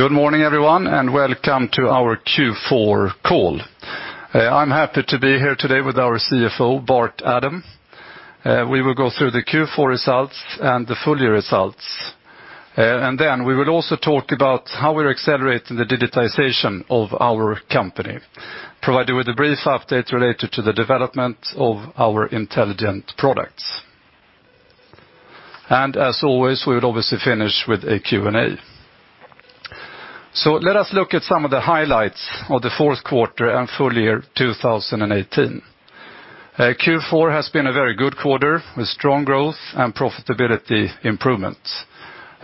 Good morning everyone, welcome to our Q4 call. I am happy to be here today with our CFO, Bart Adam. We will go through the Q4 results and the full year results. Then we will also talk about how we are accelerating the digitization of our company, provide you with a brief update related to the development of our intelligent products. As always, we will obviously finish with a Q&A. Let us look at some of the highlights of the fourth quarter and full year 2018. Q4 has been a very good quarter with strong growth and profitability improvements.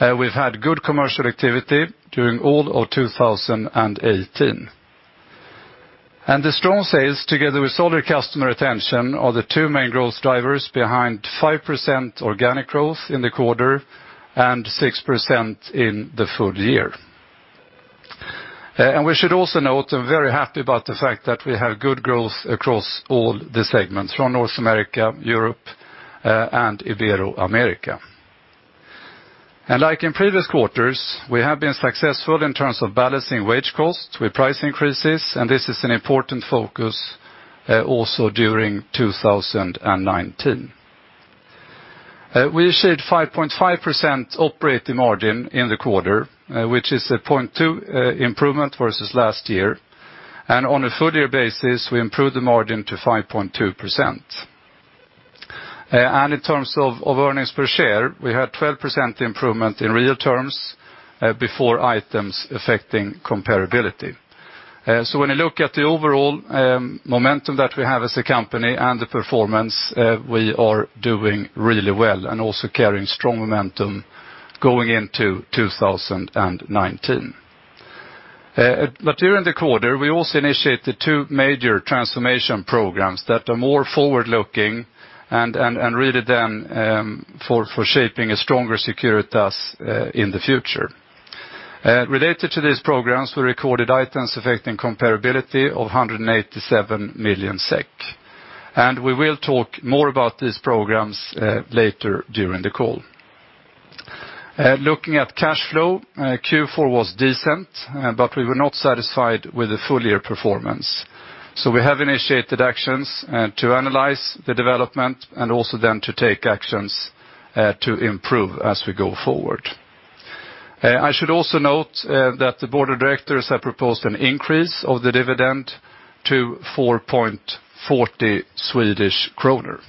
We have had good commercial activity during all of 2018. The strong sales together with solid customer retention are the two main growth drivers behind 5% organic growth in the quarter and 6% in the full year. We should also note, I am very happy about the fact that we have good growth across all the segments, from North America, Europe, and Ibero-America. Like in previous quarters, we have been successful in terms of balancing wage costs with price increases, and this is an important focus also during 2019. We achieved 5.5% operating margin in the quarter, which is a 0.2 improvement versus last year. On a full year basis, we improved the margin to 5.2%. In terms of earnings per share, we had 12% improvement in real terms, before items affecting comparability. When you look at the overall momentum that we have as a company and the performance, we are doing really well and also carrying strong momentum going into 2019. During the quarter, we also initiated two major transformation programs that are more forward-looking and really then for shaping a stronger Securitas in the future. Related to these programs, we recorded items affecting comparability of 187 million SEK. We will talk more about these programs later during the call. Looking at cash flow, Q4 was decent, but we were not satisfied with the full year performance. We have initiated actions to analyze the development and also then to take actions to improve as we go forward. I should also note that the board of directors have proposed an increase of the dividend to 4.40 Swedish kronor.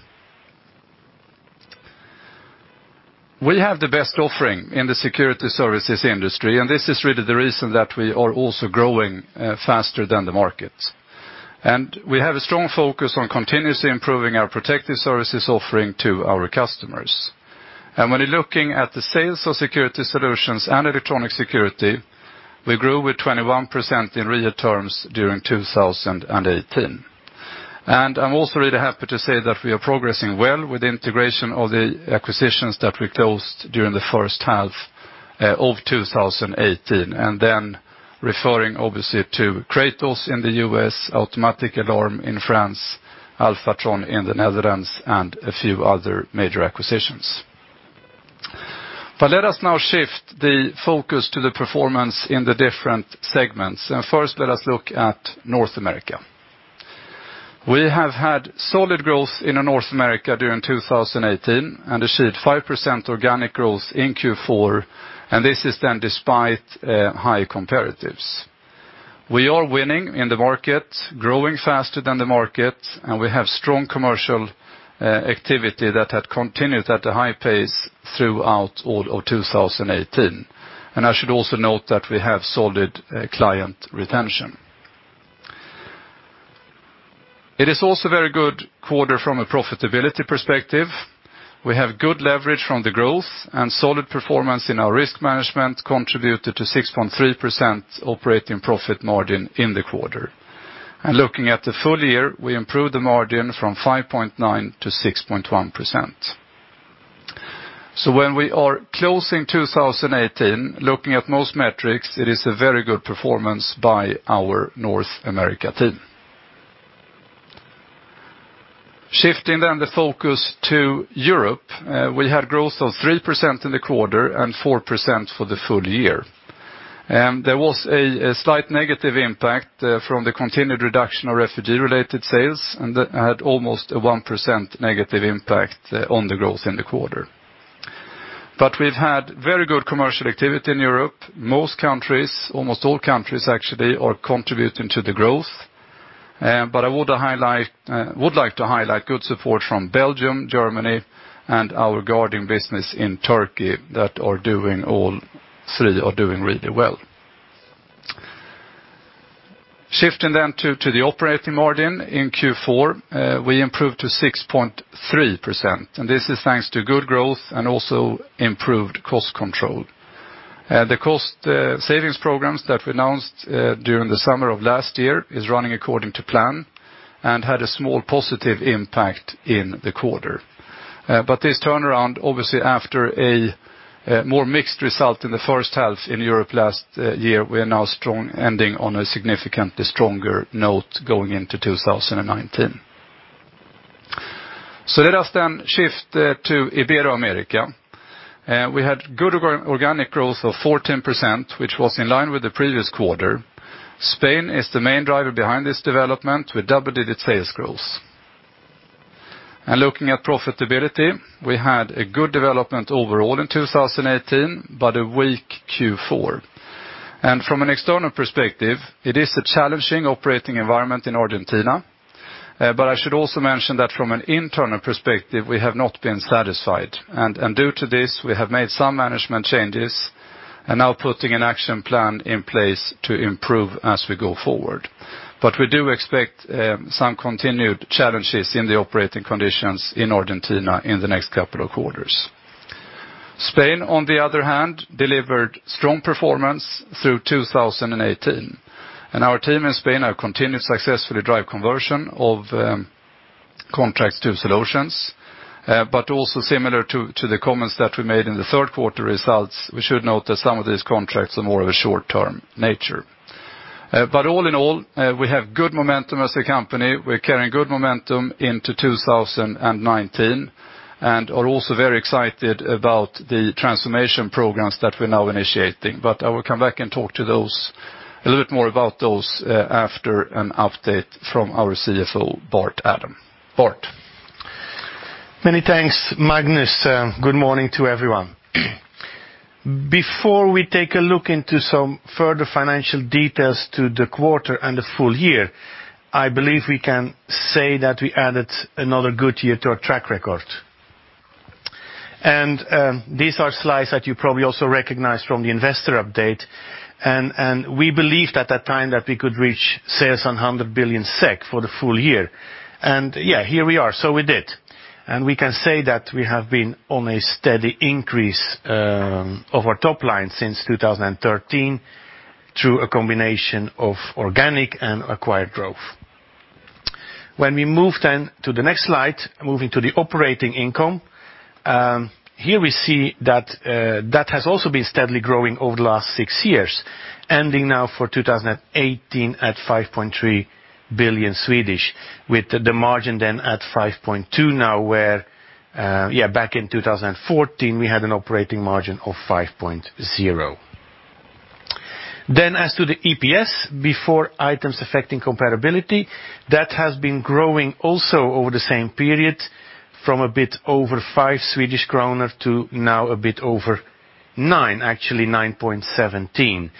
We have the best offering in the security services industry, and this is really the reason that we are also growing faster than the market. We have a strong focus on continuously improving our protective services offering to our customers. When you are looking at the sales of security solutions and electronic security, we grew with 21% in real terms during 2018. I am also really happy to say that we are progressing well with the integration of the acquisitions that we closed during the first half of 2018, then referring obviously to Kratos in the U.S., Automatic Alarm in France, Alphatron in the Netherlands, and a few other major acquisitions. Let us now shift the focus to the performance in the different segments. First, let us look at North America. We have had solid growth in North America during 2018 and achieved 5% organic growth in Q4, and this is then despite high comparatives. We are winning in the market, growing faster than the market, and we have strong commercial activity that had continued at a high pace throughout all of 2018. I should also note that we have solid client retention. It is also a very good quarter from a profitability perspective. We have good leverage from the growth, and solid performance in our risk management contributed to 6.3% operating profit margin in the quarter. Looking at the full year, we improved the margin from 5.9% to 6.1%. When we are closing 2018, looking at most metrics, it is a very good performance by our North America team. Shifting the focus to Europe, we had growth of 3% in the quarter and 4% for the full year. There was a slight negative impact from the continued reduction of refugee-related sales, and that had almost a 1% negative impact on the growth in the quarter. We've had very good commercial activity in Europe. Most countries, almost all countries actually, are contributing to the growth. I would like to highlight good support from Belgium, Germany, and our guarding business in Turkey that all three are doing really well. Shifting to the operating margin in Q4, we improved to 6.3%, and this is thanks to good growth and also improved cost control. The cost savings programs that we announced during the summer of last year is running according to plan and had a small positive impact in the quarter. This turnaround, obviously after a more mixed result in the first half in Europe last year, we are now strong ending on a significantly stronger note going into 2019. Let us then shift to Ibero-America. We had good organic growth of 14%, which was in line with the previous quarter. Spain is the main driver behind this development, with double-digit sales growth. Looking at profitability, we had a good development overall in 2018, but a weak Q4. From an external perspective, it is a challenging operating environment in Argentina. I should also mention that from an internal perspective, we have not been satisfied. Due to this, we have made some management changes and are now putting an action plan in place to improve as we go forward. We do expect some continued challenges in the operating conditions in Argentina in the next couple of quarters. Spain, on the other hand, delivered strong performance through 2018. Our team in Spain have continued successfully drive conversion of contracts to solutions, but also similar to the comments that we made in the third quarter results, we should note that some of these contracts are more of a short-term nature. All in all, we have good momentum as a company. We're carrying good momentum into 2019 and are also very excited about the transformation programs that we're now initiating. I will come back and talk a little bit more about those after an update from our CFO, Bart Adam. Bart? Many thanks, Magnus. Good morning to everyone. Before we take a look into some further financial details to the quarter and the full year, I believe we can say that we added another good year to our track record. These are slides that you probably also recognize from the investor update. We believed at that time that we could reach sales on 100 billion SEK for the full year. Yeah, here we are. We did. We can say that we have been on a steady increase of our top line since 2013 through a combination of organic and acquired growth. We move then to the next slide, moving to the operating income. Here we see that has also been steadily growing over the last six years, ending now for 2018 at 5.3 billion, with the margin at 5.2% now, where back in 2014, we had an operating margin of 5.0%. As to the EPS before items affecting comparability, that has been growing also over the same period from a bit over 5 Swedish kronor to now a bit over 9, actually 9.17.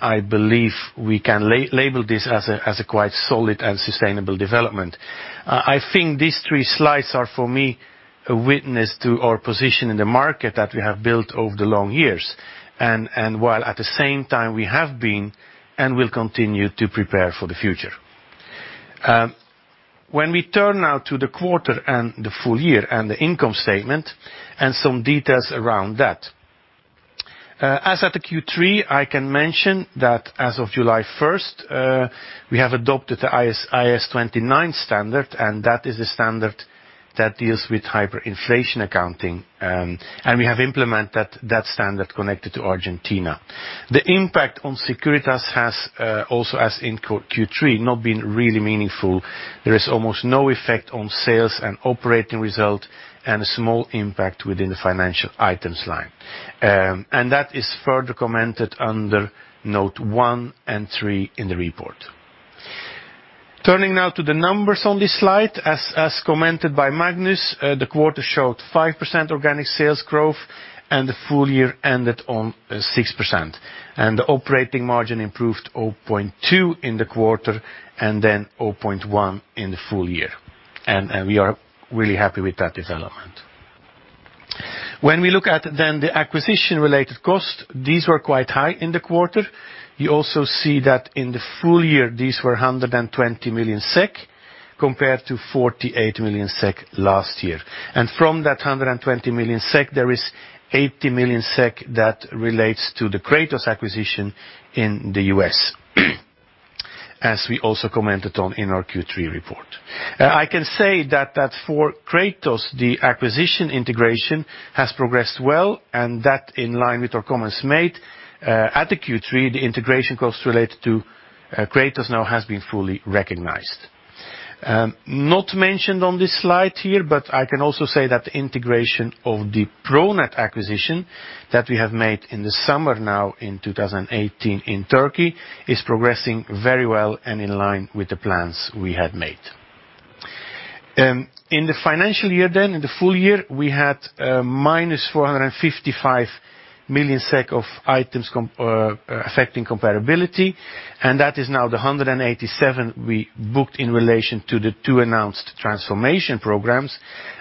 I believe we can label this as a quite solid and sustainable development. I think these three slides are, for me, a witness to our position in the market that we have built over the long years. While at the same time we have been and will continue to prepare for the future. We turn now to the quarter and the full year and the income statement and some details around that. As at the Q3, I can mention that as of July 1, we have adopted the IAS 29 standard, and that is the standard that deals with hyperinflation accounting. We have implemented that standard connected to Argentina. The impact on Securitas has also, as in Q3, not been really meaningful. There is almost no effect on sales and operating result, and a small impact within the financial items line. That is further commented under note one and three in the report. Turning now to the numbers on this slide. As commented by Magnus, the quarter showed 5% organic sales growth and the full year ended on 6%. The operating margin improved 0.2 in the quarter and then 0.1 in the full year. We are really happy with that development. We look at then the acquisition related cost, these were quite high in the quarter. You also see that in the full year, these were 120 million SEK compared to 48 million SEK last year. From that 120 million SEK, there is 80 million SEK that relates to the Kratos acquisition in the U.S., as we also commented on in our Q3 report. I can say that for Kratos, the acquisition integration has progressed well, and that in line with our comments made at the Q3, the integration costs related to Kratos now has been fully recognized. Not mentioned on this slide here, but I can also say that the integration of the Pronet acquisition that we have made in the summer now in 2018 in Turkey is progressing very well and in line with the plans we had made. In the financial year, in the full year, we had -455 million SEK of items affecting comparability, that is now the 187 we booked in relation to the two announced transformation programs.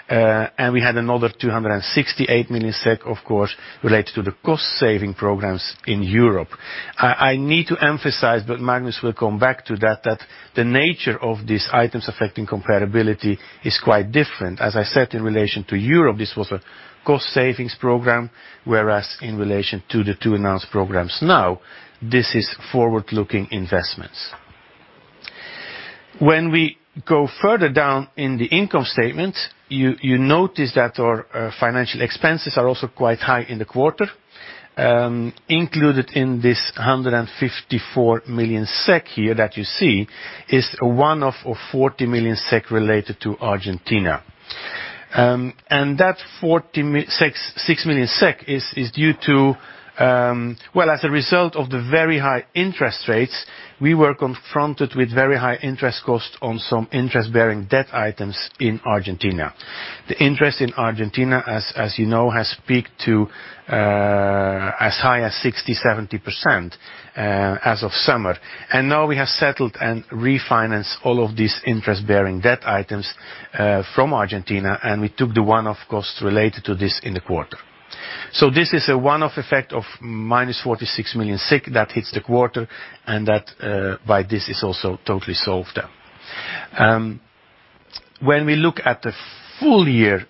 We had another 268 million SEK, of course, related to the cost-saving programs in Europe. I need to emphasize, but Magnus will come back to that the nature of these items affecting comparability is quite different. As I said, in relation to Europe, this was a cost-saving program, whereas in relation to the two announced programs now, this is forward-looking investments. When we go further down in the income statement, you notice that our financial expenses are also quite high in the quarter. Included in this 154 million SEK here that you see is a one-off of 40 million SEK related to Argentina. That 46 million SEK is due to, well, as a result of the very high interest rates, we were confronted with very high interest costs on some interest-bearing debt items in Argentina. The interest in Argentina, as you know, has peaked to as high as 60%-70% as of summer. Now we have settled and refinanced all of these interest-bearing debt items from Argentina, and we took the one-off cost related to this in the quarter. This is a one-off effect of -46 million that hits the quarter, and that by this is also totally solved. When we look at the full year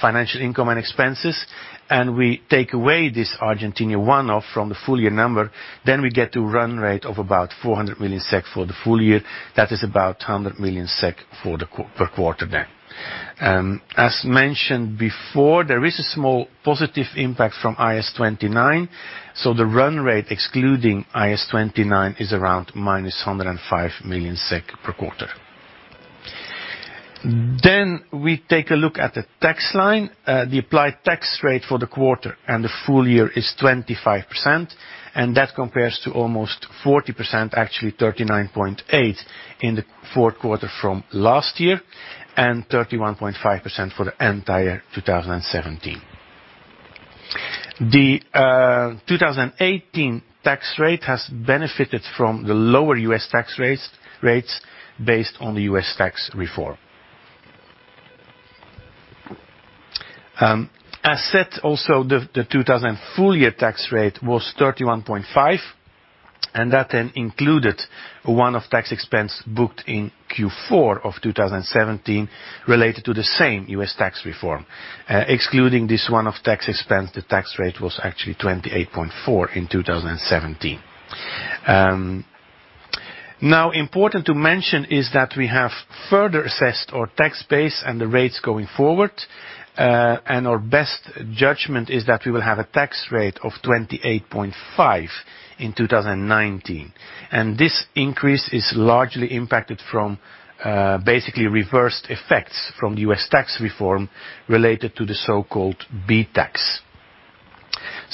financial income and expenses, and we take away this Argentina one-off from the full year number, then we get to run rate of about 400 million SEK for the full year. That is about 100 million SEK per quarter. As mentioned before, there is a small positive impact from IAS 29, the run rate excluding IAS 29 is around -105 million SEK per quarter. We take a look at the tax line. The applied tax rate for the quarter and the full year is 25%, that compares to almost 40%, actually 39.8%, in the fourth quarter from last year, 31.5% for the entire 2017. The 2018 tax rate has benefited from the lower U.S. tax rates based on the U.S. tax reform. As said, also the 2000 full year tax rate was 31.5%, that then included a one-off tax expense booked in Q4 of 2017 related to the same U.S. tax reform. Excluding this one-off tax expense, the tax rate was actually 28.4% in 2017. Important to mention is that we have further assessed our tax base and the rates going forward, and our best judgment is that we will have a tax rate of 28.5% in 2019. This increase is largely impacted from basically reversed effects from the U.S. tax reform related to the so-called BEAT tax.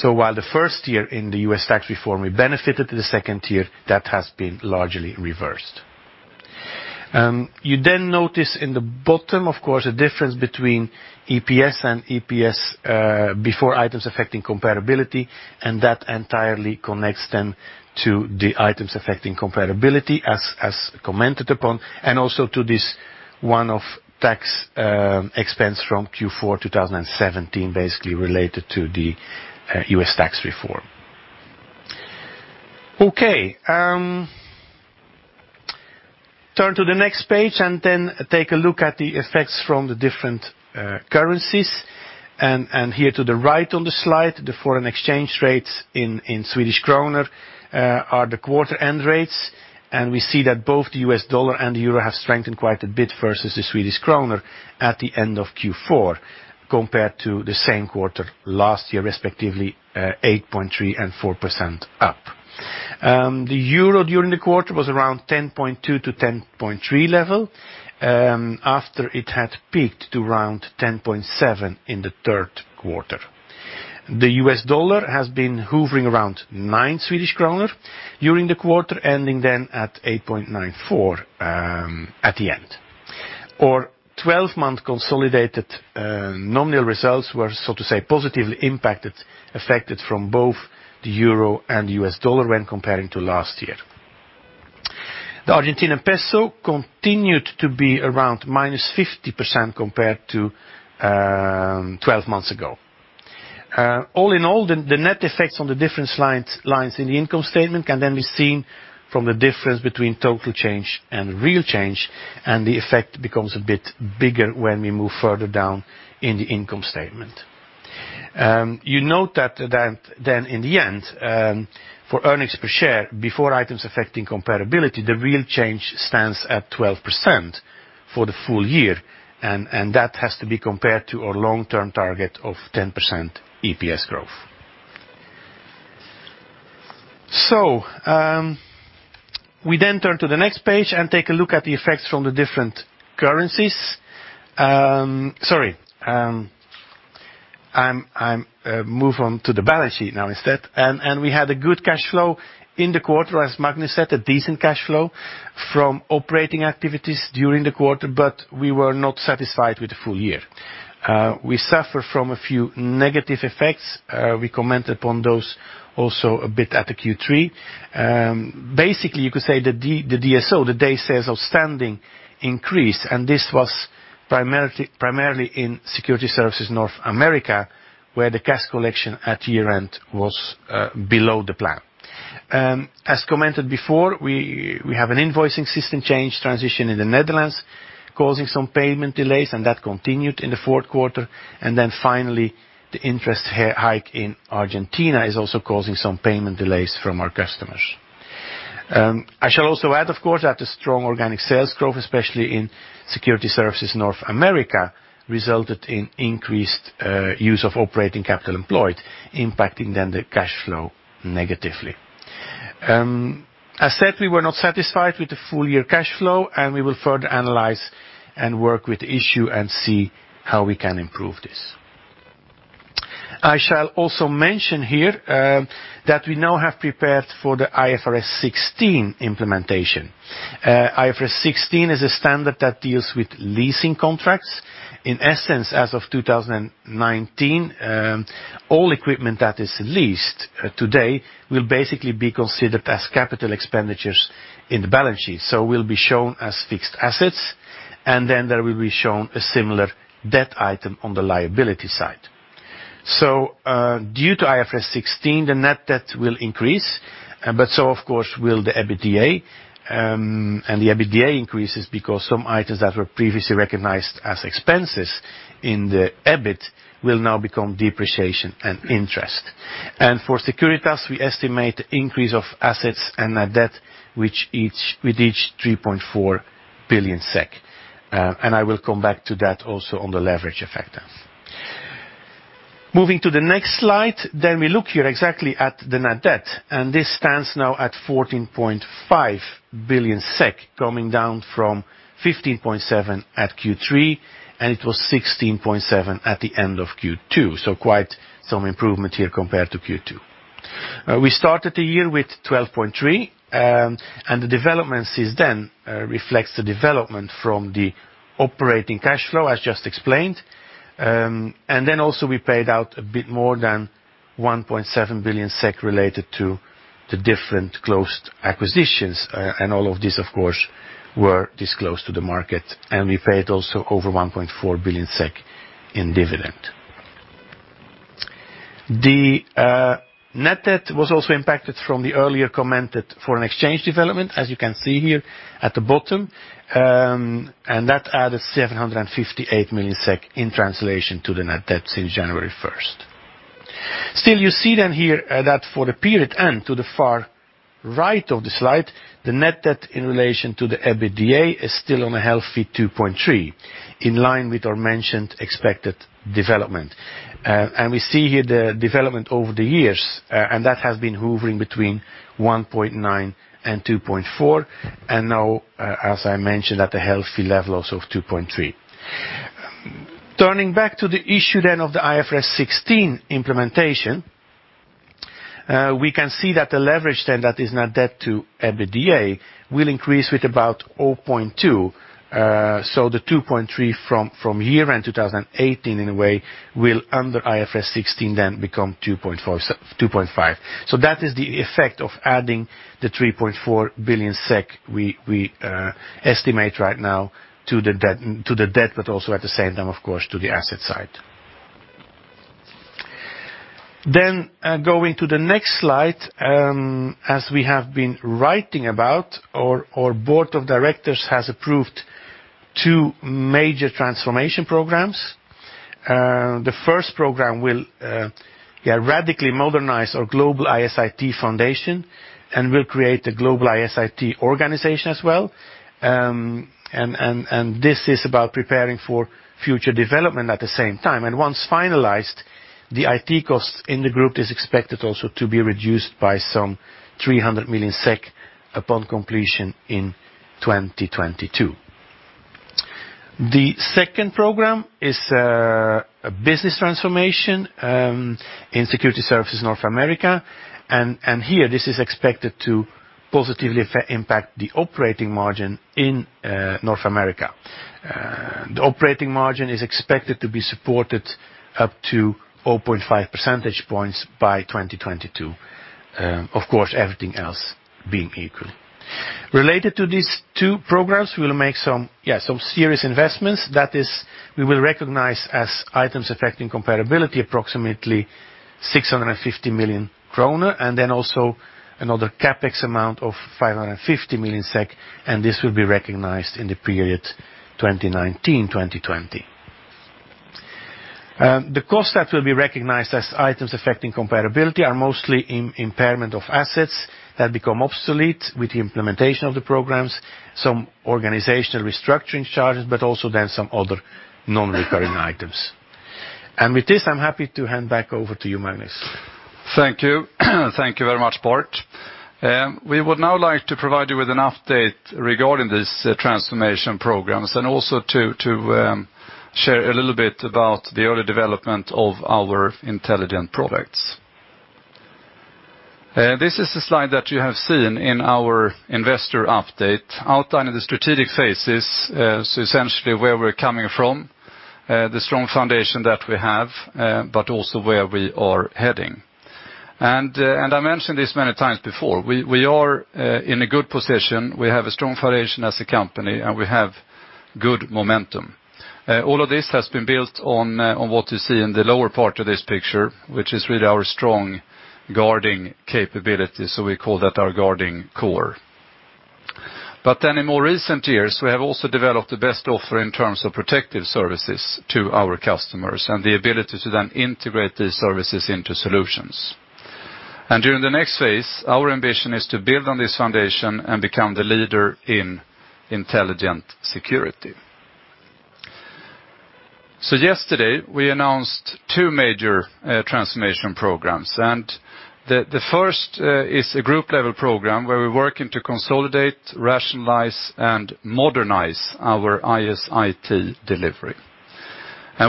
While the first year in the U.S. tax reform we benefited, to the second year, that has been largely reversed. You then notice in the bottom, of course, a difference between EPS and EPS before items affecting comparability, and that entirely connects then to the items affecting comparability as commented upon, and also to this one-off tax expense from Q4 2017, basically related to the U.S. tax reform. Turn to the next page and then take a look at the effects from the different currencies. Here to the right on the slide, the foreign exchange rates in Swedish krona are the quarter end rates, and we see that both the US dollar and the euro have strengthened quite a bit versus the Swedish krona at the end of Q4 compared to the same quarter last year, respectively 8.3% and 4% up. The euro during the quarter was around 10.2-10.3 level, after it had peaked to around 10.7 in the third quarter. The US dollar has been hovering around nine Swedish krona during the quarter, ending then at 8.94 at the end. Our 12-month consolidated nominal results were, so to say, positively impacted, affected from both the euro and the US dollar when comparing to last year. The Argentine peso continued to be around -50% compared to 12 months ago. All in all, the net effects on the different lines in the income statement can then be seen from the difference between total change and real change, and the effect becomes a bit bigger when we move further down in the income statement. You note that then in the end, for earnings per share, before items affecting comparability, the real change stands at 12% for the full year, and that has to be compared to our long-term target of 10% EPS growth. We then turn to the next page and take a look at the effects from the different currencies. Sorry. I move on to the balance sheet now instead. We had a good cash flow in the quarter, as Magnus said, a decent cash flow from operating activities during the quarter, but we were not satisfied with the full year. We suffer from a few negative effects. We comment upon those also a bit at Q3. Basically, you could say the DSO, the Days Sales Outstanding, increased, and this was primarily in Security Services North America, where the cash collection at year-end was below the plan. As commented before, we have an invoicing system change transition in the Netherlands, causing some payment delays, and that continued in the fourth quarter. Finally, the interest hike in Argentina is also causing some payment delays from our customers. I shall also add, of course, that the strong organic sales growth, especially in Security Services North America, resulted in increased use of operating capital employed, impacting then the cash flow negatively. As said, we were not satisfied with the full year cash flow, and we will further analyze and work with the issue and see how we can improve this. I shall also mention here that we now have prepared for the IFRS 16 implementation. IFRS 16 is a standard that deals with leasing contracts. In essence, as of 2019, all equipment that is leased today will basically be considered as capital expenditures in the balance sheet, so will be shown as fixed assets, and then there will be shown a similar debt item on the liability side. Due to IFRS 16, the net debt will increase, but so of course will the EBITDA. The EBITDA increases because some items that were previously recognized as expenses in the EBIT will now become depreciation and interest. For Securitas, we estimate increase of assets and net debt with each 3.4 billion SEK. I will come back to that also on the leverage effect. Moving to the next slide. We look here exactly at the net debt. This stands now at 14.5 billion SEK, coming down from 15.7 billion at Q3, and it was 16.7 billion at the end of Q2, quite some improvement here compared to Q2. We started the year with 12.3 billion, and the development since then reflects the development from the operating cash flow, as just explained. We paid out a bit more than 1.7 billion SEK related to the different closed acquisitions, and all of these, of course, were disclosed to the market. We paid also over 1.4 billion SEK in dividend. The net debt was also impacted from the earlier commented foreign exchange development, as you can see here at the bottom. That added 758 million SEK in translation to the net debt since January 1st. You see here that for the period end, to the far right of the slide, the net debt in relation to the EBITDA is still on a healthy 2.3, in line with our mentioned expected development. We see here the development over the years. That has been hovering between 1.9 and 2.4, and now, as I mentioned, at the healthy level also of 2.3. Turning back to the issue of the IFRS 16 implementation, we can see that the leverage, that is net debt to EBITDA, will increase with about 0.2. The 2.3 from year-end 2018 in a way will under IFRS 16 become 2.5. That is the effect of adding the 3.4 billion SEK we estimate right now to the debt, but also at the same time, of course, to the asset side. Going to the next slide. As we have been writing about, our board of directors has approved two major transformation programs. The first program will radically modernize our global IS/IT foundation and will create a global IS/IT organization as well. This is about preparing for future development at the same time. Once finalized, the IT cost in the group is expected also to be reduced by some 300 million SEK upon completion in 2022. The second program is a business transformation in Security Services North America. Here, this is expected to positively impact the operating margin in North America. The operating margin is expected to be supported up to 0.5 percentage points by 2022. Of course, everything else being equal. Related to these two programs, we will make some serious investments. That is, we will recognize as items affecting comparability approximately 650 million kronor, another CapEx amount of 550 million SEK, and this will be recognized in the period 2019-2020. The cost that will be recognized as items affecting comparability are mostly impairment of assets that become obsolete with the implementation of the programs, some organizational restructuring charges, but also some other non-recurring items. With this, I'm happy to hand back over to you, Magnus. Thank you. Thank you very much, Bart. We would now like to provide you with an update regarding these transformation programs and also to share a little bit about the early development of our intelligent products. This is a slide that you have seen in our investor update outlining the strategic phases, essentially where we're coming from, the strong foundation that we have, but also where we are heading. I mentioned this many times before. We are in a good position. We have a strong foundation as a company, and we have good momentum. All of this has been built on what you see in the lower part of this picture, which is really our strong guarding capability. We call that our guarding core. In more recent years, we have also developed the best offer in terms of protective services to our customers, and the ability to then integrate these services into solutions. During the next phase, our ambition is to build on this foundation, and become the leader in intelligent security. Yesterday, we announced two major transformation programs. The first is a group level program where we're working to consolidate, rationalize, and modernize our IS/IT delivery.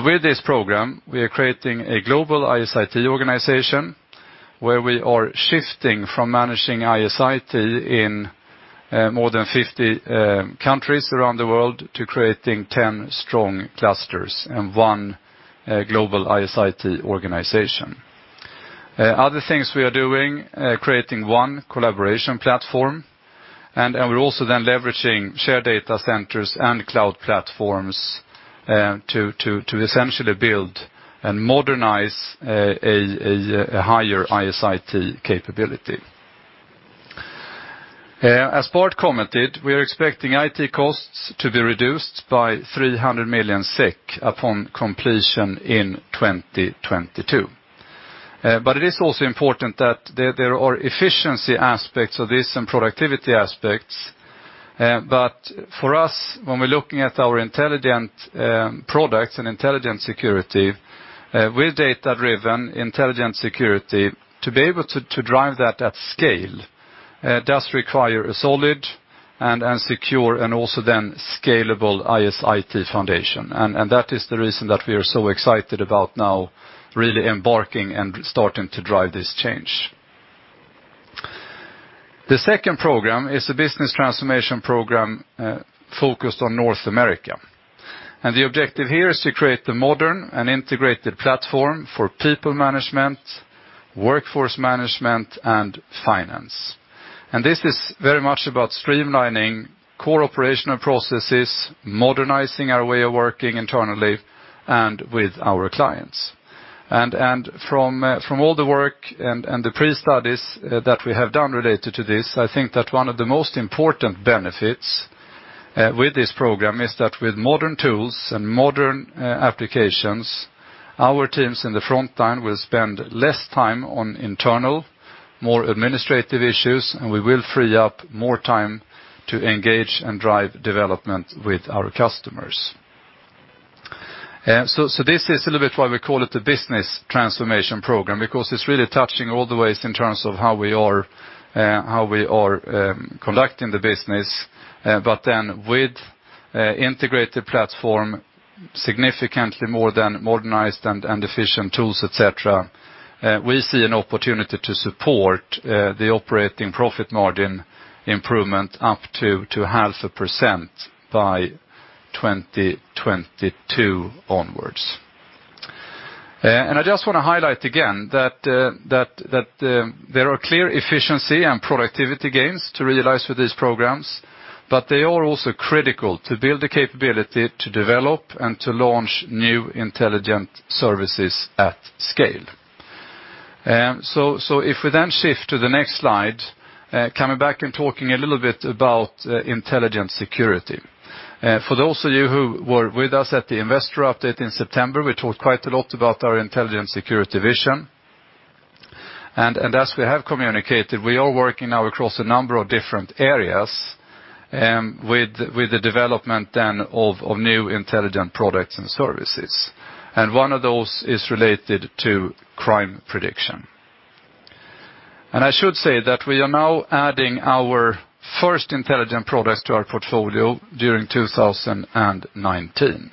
With this program, we are creating a global IS/IT organization where we are shifting from managing IS/IT in more than 50 countries around the world, to creating 10 strong clusters and one global IS/IT organization. Other things we are doing, creating one collaboration platform, and we're also then leveraging shared data centers and cloud platforms to essentially build and modernize a higher IS/IT capability. As Bart commented, we are expecting IT costs to be reduced by 300 million SEK upon completion in 2022. It is also important that there are efficiency aspects of this and productivity aspects. For us, when we're looking at our intelligent products and intelligent security, with data-driven intelligent security, to be able to drive that at scale does require a solid and secure, and also then scalable IS/IT foundation. That is the reason that we are so excited about now really embarking and starting to drive this change. The second program is a business transformation program focused on North America. The objective here is to create the modern and integrated platform for people management, workforce management, and finance. This is very much about streamlining core operational processes, modernizing our way of working internally, and with our clients. From all the work and the pre-studies that we have done related to this, I think that one of the most important benefits with this program is that with modern tools and modern applications, our teams in the front line will spend less time on internal, more administrative issues, and we will free up more time to engage and drive development with our customers. This is a little bit why we call it the business transformation program, because it's really touching all the ways in terms of how we are conducting the business. With integrated platform, significantly more than modernized and efficient tools, et cetera, we see an opportunity to support the operating profit margin improvement up to half a percent by 2022 onwards. I just want to highlight again that there are clear efficiency and productivity gains to realize with these programs, but they are also critical to build the capability to develop and to launch new intelligent services at scale. If we then shift to the next slide, coming back and talking a little bit about intelligent security. For those of you who were with us at the investor update in September, we talked quite a lot about our intelligent security vision. As we have communicated, we are working now across a number of different areas, with the development then of new intelligent products and services. One of those is related to crime prediction. I should say that we are now adding our first intelligent products to our portfolio during 2019.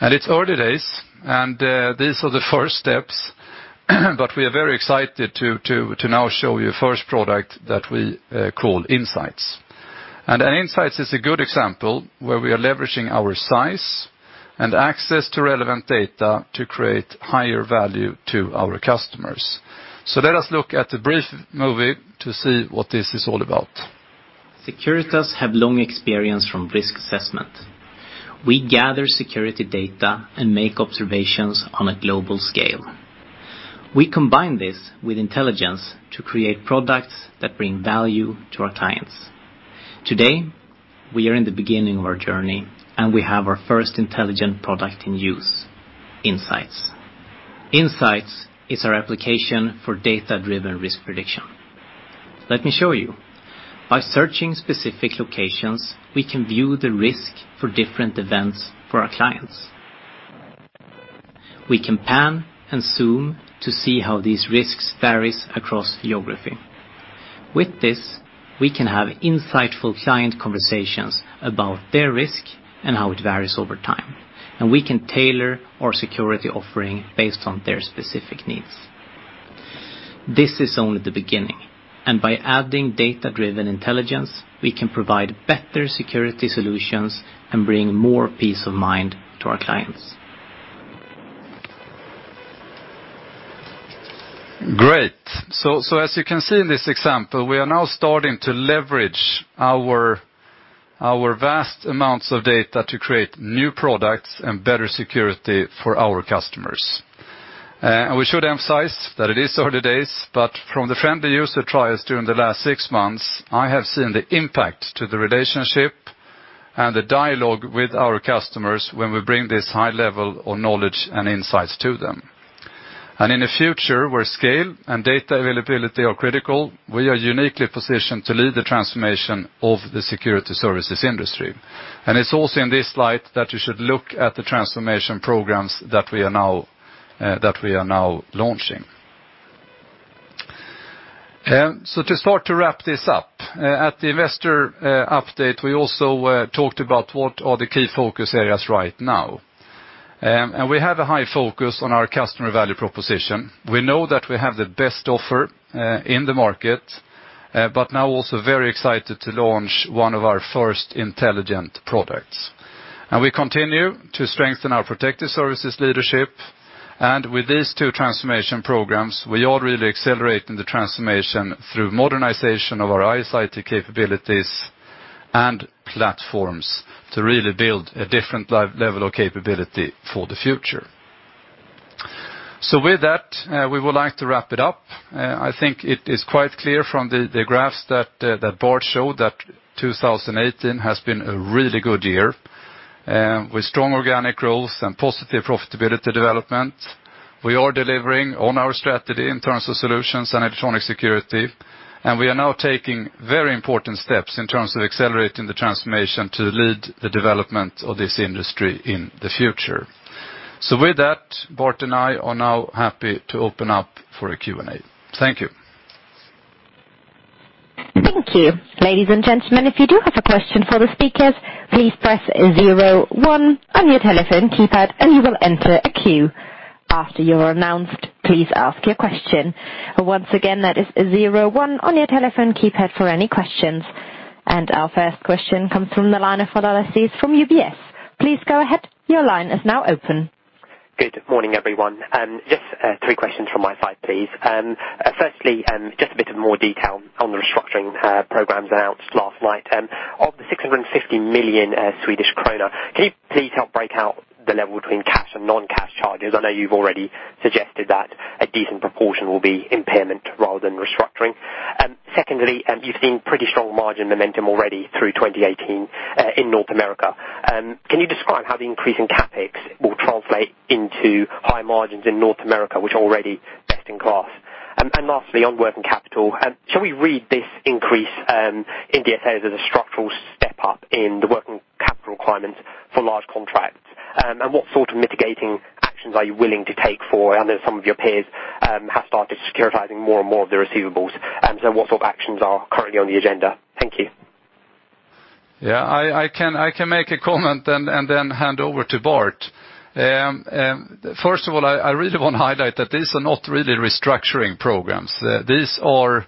It's early days, and these are the first steps, but we are very excited to now show you first product that we call Insights. Insights is a good example where we are leveraging our size and access to relevant data to create higher value to our customers. Let us look at a brief movie to see what this is all about. Securitas have long experience from risk assessment. We gather security data and make observations on a global scale. We combine this with intelligence to create products that bring value to our clients. Today, we are in the beginning of our journey, and we have our first intelligent product in use, Insights. Insights is our application for data-driven risk prediction. Let me show you. By searching specific locations, we can view the risk for different events for our clients. We can pan and zoom to see how these risks varies across geography. With this, we can have insightful client conversations about their risk and how it varies over time, and we can tailor our security offering based on their specific needs. This is only the beginning, and by adding data-driven intelligence, we can provide better security solutions and bring more peace of mind to our clients. Great. As you can see in this example, we are now starting to leverage our vast amounts of data to create new products and better security for our customers. We should emphasize that it is early days, but from the friendly user trials during the last six months, I have seen the impact to the relationship and the dialogue with our customers when we bring this high level of knowledge and insights to them. In the future, where scale and data availability are critical, we are uniquely positioned to lead the transformation of the security services industry. It's also in this slide that you should look at the transformation programs that we are now launching. To start to wrap this up, at the investor update, we also talked about what are the key focus areas right now. We have a high focus on our customer value proposition. We know that we have the best offer in the market, but now also very excited to launch one of our first intelligent products. We continue to strengthen our protective services leadership. With these two transformation programs, we are really accelerating the transformation through modernization of our IS/IT capabilities and platforms to really build a different level of capability for the future. With that, we would like to wrap it up. I think it is quite clear from the graphs that Bart showed that 2018 has been a really good year, with strong organic growth and positive profitability development. We are delivering on our strategy in terms of solutions and electronic security, and we are now taking very important steps in terms of accelerating the transformation to lead the development of this industry in the future. With that, Bart and I are now happy to open up for a Q&A. Thank you. Thank you. Ladies and gentlemen, if you do have a question for the speakers, please press zero one on your telephone keypad, and you will enter a queue. After you are announced, please ask your question. Once again, that is zero one on your telephone keypad for any questions. Our first question comes from the line of analysis from UBS. Please go ahead. Your line is now open. Good morning, everyone. Just three questions from my side, please. Firstly, just a bit of more detail on the restructuring programs announced last night. Of the 650 million Swedish kronor, can you please help break out the level between cash and non-cash charges? I know you've already suggested that a decent proportion will be impairment rather than restructuring. Secondly, you've seen pretty strong margin momentum already through 2018 in North America. Can you describe how the increase in CapEx will translate into higher margins in North America, which are already best in class? Lastly, on working capital, shall we read this increase in DSO as a structural step up in the working capital requirements for large contracts? What sort of mitigating actions are you willing to take for, I know some of your peers have started securitizing more and more of their receivables, what sort of actions are currently on the agenda? Thank you. I can make a comment and then hand over to Bart. First of all, I really want to highlight that these are not really restructuring programs. These are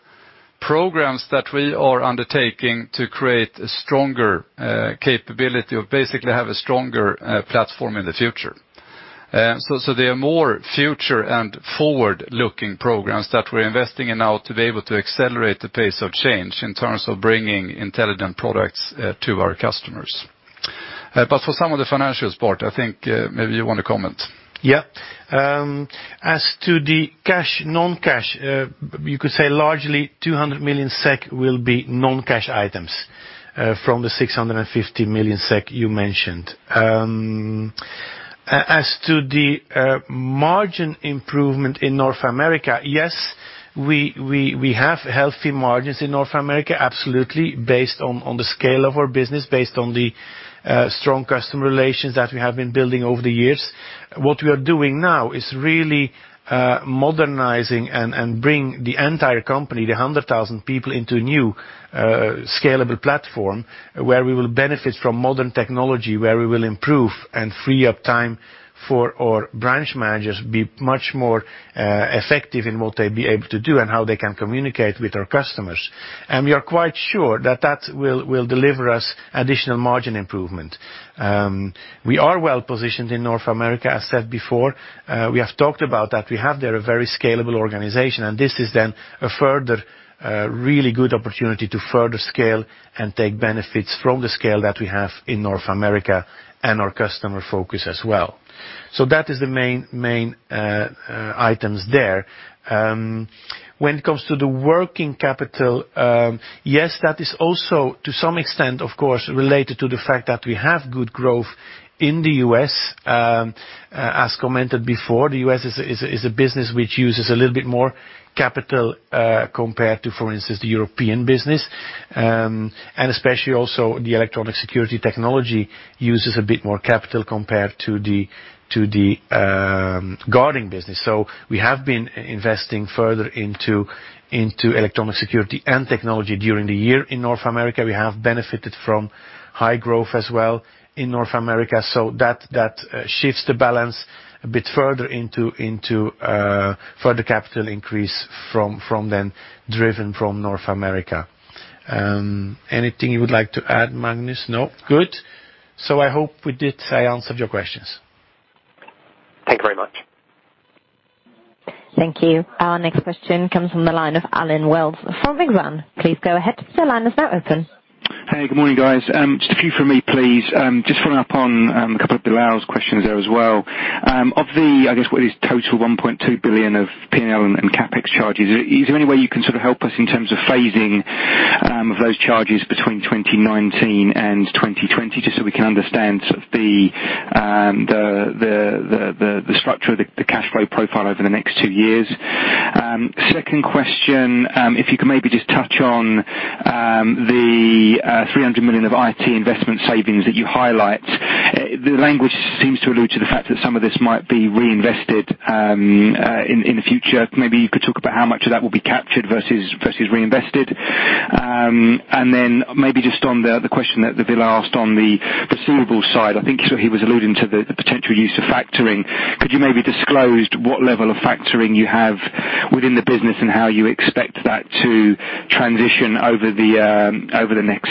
programs that we are undertaking to create a stronger capability of basically have a stronger platform in the future. They are more future and forward-looking programs that we're investing in now to be able to accelerate the pace of change in terms of bringing intelligent products to our customers. For some of the financial part, I think maybe you want to comment. As to the cash, non-cash, you could say largely 200 million SEK will be non-cash items from the 650 million SEK you mentioned. As to the margin improvement in North America, yes, we have healthy margins in North America, absolutely, based on the scale of our business, based on the strong customer relations that we have been building over the years. What we are doing now is really modernizing and bring the entire company, the 100,000 people into a new scalable platform where we will benefit from modern technology, where we will improve and free up time for our branch managers to be much more effective in what they'll be able to do and how they can communicate with our customers. We are quite sure that that will deliver us additional margin improvement. We are well-positioned in North America. As said before, we have talked about that. We have there a very scalable organization, this is then a further really good opportunity to further scale and take benefits from the scale that we have in North America and our customer focus as well. That is the main items there. When it comes to the working capital, yes, that is also to some extent, of course, related to the fact that we have good growth in the U.S. As commented before, the U.S. is a business which uses a little bit more capital compared to, for instance, the European business. Especially also the electronic security technology uses a bit more capital compared to the guarding business. We have been investing further into electronic security and technology during the year in North America. We have benefited from high growth as well in North America. That shifts the balance a bit further into further capital increase from then driven from North America. Anything you would like to add, Magnus? No. Good. I hope we did answer your questions. Thank you very much. Thank you. Our next question comes from the line of Allen Wells from Exane. Please go ahead. Your line is now open. Hey, good morning, guys. Just a few from me, please. Just following up on a couple of Bilal's questions there as well. Of the, I guess, what is total 1.2 billion of P&L and CapEx charges, is there any way you can sort of help us in terms of phasing of those charges between 2019 and 2020, just so we can understand the structure of the cash flow profile over the next two years? Second question, if you could maybe just touch on the 300 million of IT investment savings that you highlight. The language seems to allude to the fact that some of this might be reinvested in the future. Maybe you could talk about how much of that will be captured versus reinvested. maybe just on the other question that Bilal asked on the receivables side, I think he was alluding to the potential use of factoring. Could you maybe disclose what level of factoring you have within the business, and how you expect that to transition over the next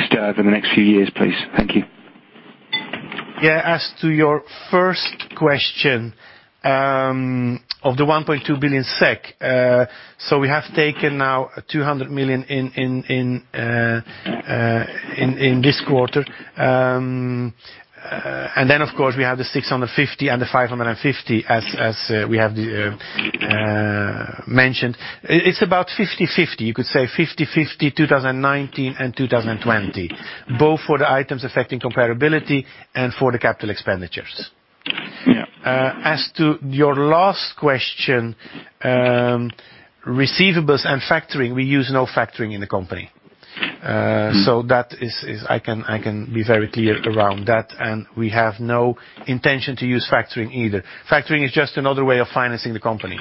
few years, please? Thank you. Yeah. As to your first question, of the 1.2 billion SEK, we have taken now 200 million in this quarter. Of course, we have the 650 and the 550 as we have mentioned. It is about 50/50. You could say 50/50, 2019 and 2020, both for the items affecting comparability and for the capital expenditures. Yeah. As to your last question, receivables and factoring, we use no factoring in the company. I can be very clear around that, and we have no intention to use factoring either. Factoring is just another way of financing the company.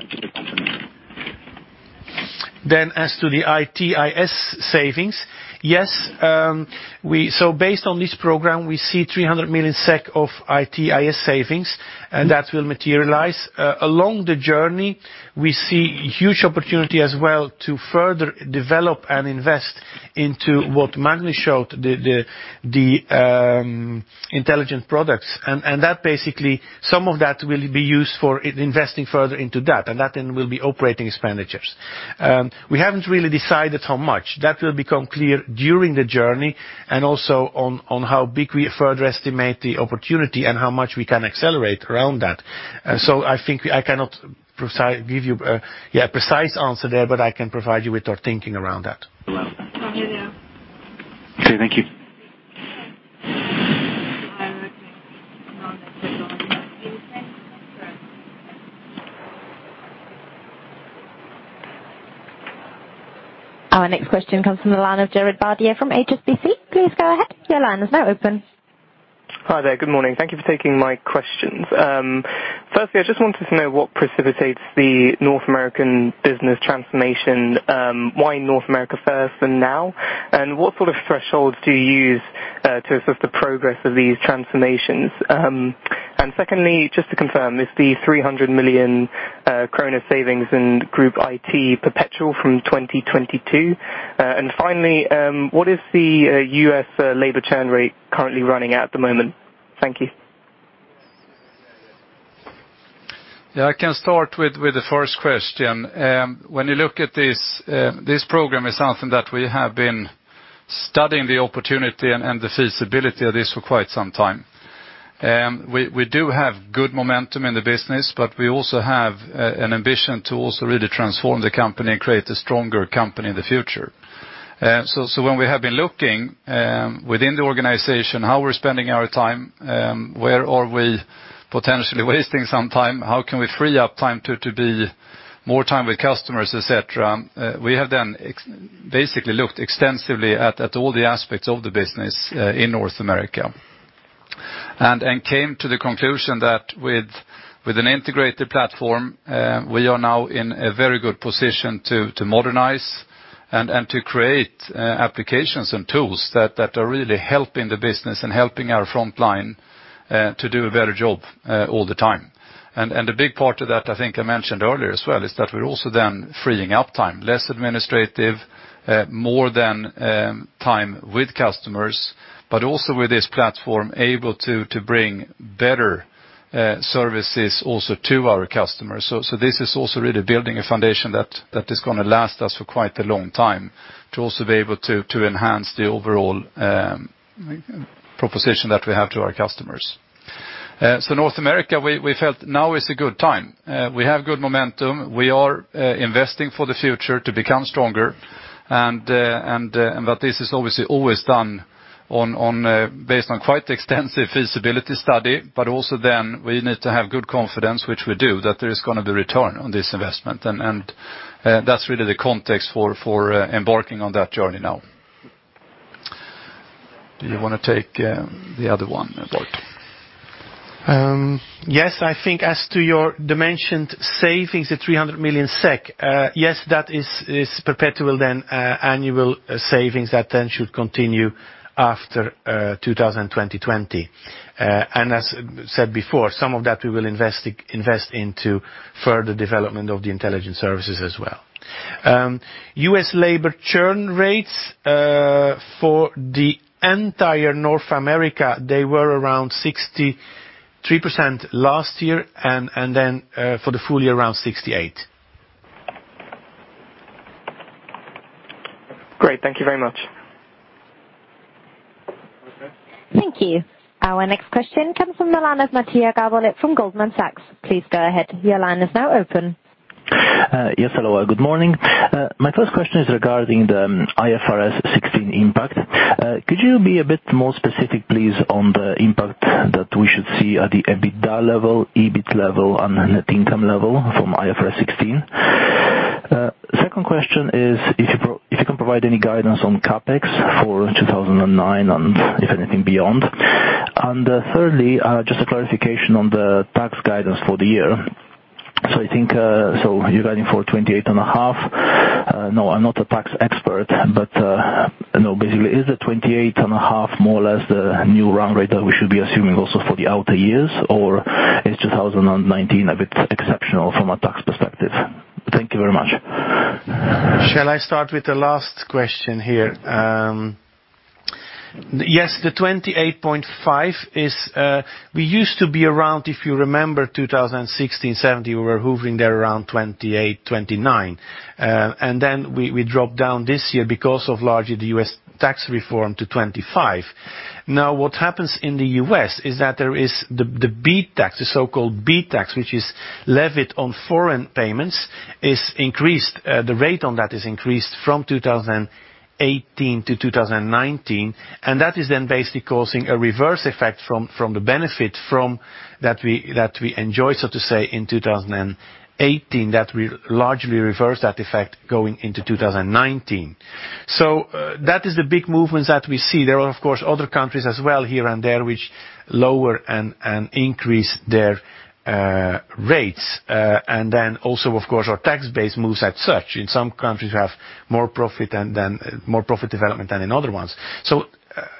As to the IS/IT savings, yes. Based on this program, we see 300 million SEK of IS/IT savings. that will materialize. Along the journey, we see huge opportunity as well to further develop and invest into what Magnus showed, the intelligent products. That basically, some of that will be used for investing further into that, and that then will be operating expenditures. We haven't really decided how much. That will become clear during the journey, and also on how big we further estimate the opportunity and how much we can accelerate around that. I think I cannot give you a precise answer there, but I can provide you with our thinking around that. Okay. Okay, thank you. Our next question comes from the line of Chirag Vadhia from HSBC. Please go ahead. Your line is now open. Hi there. Good morning. Thank you for taking my questions. Firstly, I just wanted to know what precipitates the North American business transformation, why North America first and now? What sort of thresholds do you use to assess the progress of these transformations? Secondly, just to confirm, is the 300 million krona savings in group IT perpetual from 2022? Finally, what is the U.S. labor churn rate currently running at the moment? Thank you. I can start with the first question. When you look at this program is something that we have been studying the opportunity and the feasibility of this for quite some time. We do have good momentum in the business, but we also have an ambition to also really transform the company and create a stronger company in the future. When we have been looking within the organization, how we're spending our time, where are we potentially wasting some time, how can we free up time to be more time with customers, et cetera? We have then basically looked extensively at all the aspects of the business in North America. Came to the conclusion that with an integrated platform, we are now in a very good position to modernize and to create applications and tools that are really helping the business and helping our frontline to do a better job all the time. The big part of that, I think I mentioned earlier as well, is that we're also then freeing up time. Less administrative, more than time with customers, but also with this platform able to bring better services also to our customers. This is also really building a foundation that is going to last us for quite a long time to also be able to enhance the overall proposition that we have to our customers. North America, we felt now is a good time. We have good momentum. We are investing for the future to become stronger. This is obviously always done based on quite extensive feasibility study. Also, then we need to have good confidence, which we do, that there is going to be return on this investment. That's really the context for embarking on that journey now. Do you want to take the other one, Bart? Yes. I think as to your dimensioned savings, the 300 million SEK, yes, that is perpetual then annual savings that then should continue after 2020. As said before, some of that we will invest into further development of the intelligence services as well. U.S. labor churn rates for the entire North America, they were around 63% last year, and then for the full year, around 68%. Great. Thank you very much. Okay. Thank you. Our next question comes from the line of Matija Gergolet from Goldman Sachs. Please go ahead. Your line is now open. Yes, hello. Good morning. My first question is regarding the IFRS 16 impact. Could you be a bit more specific, please, on the impact that we should see at the EBITDA level, EBIT level, and net income level from IFRS 16? Second question is if you can provide any guidance on CapEx for 2009 and if anything beyond. Thirdly, just a clarification on the tax guidance for the year. You're guiding for 28.5. I'm not a tax expert, basically, is the 28.5 more or less the new run rate that we should be assuming also for the outer years, or is 2019 a bit exceptional from a tax perspective? Thank you very much. Shall I start with the last question here? Yes, the 28.5. We used to be around, if you remember 2016, 2017, we were hovering there around 28, 29. Then we dropped down this year because of largely the U.S. tax reform to 25. What happens in the U.S. is that there is the so-called BEAT tax, which is levied on foreign payments. The rate on that is increased from 2018 to 2019. That is then basically causing a reverse effect from the benefit that we enjoyed, so to say, in 2018, that will largely reverse that effect going into 2019. That is the big movement that we see. There are, of course, other countries as well, here and there, which lower and increase their rates. Then also, of course, our tax base moves as such. In some countries, we have more profit development than in other ones.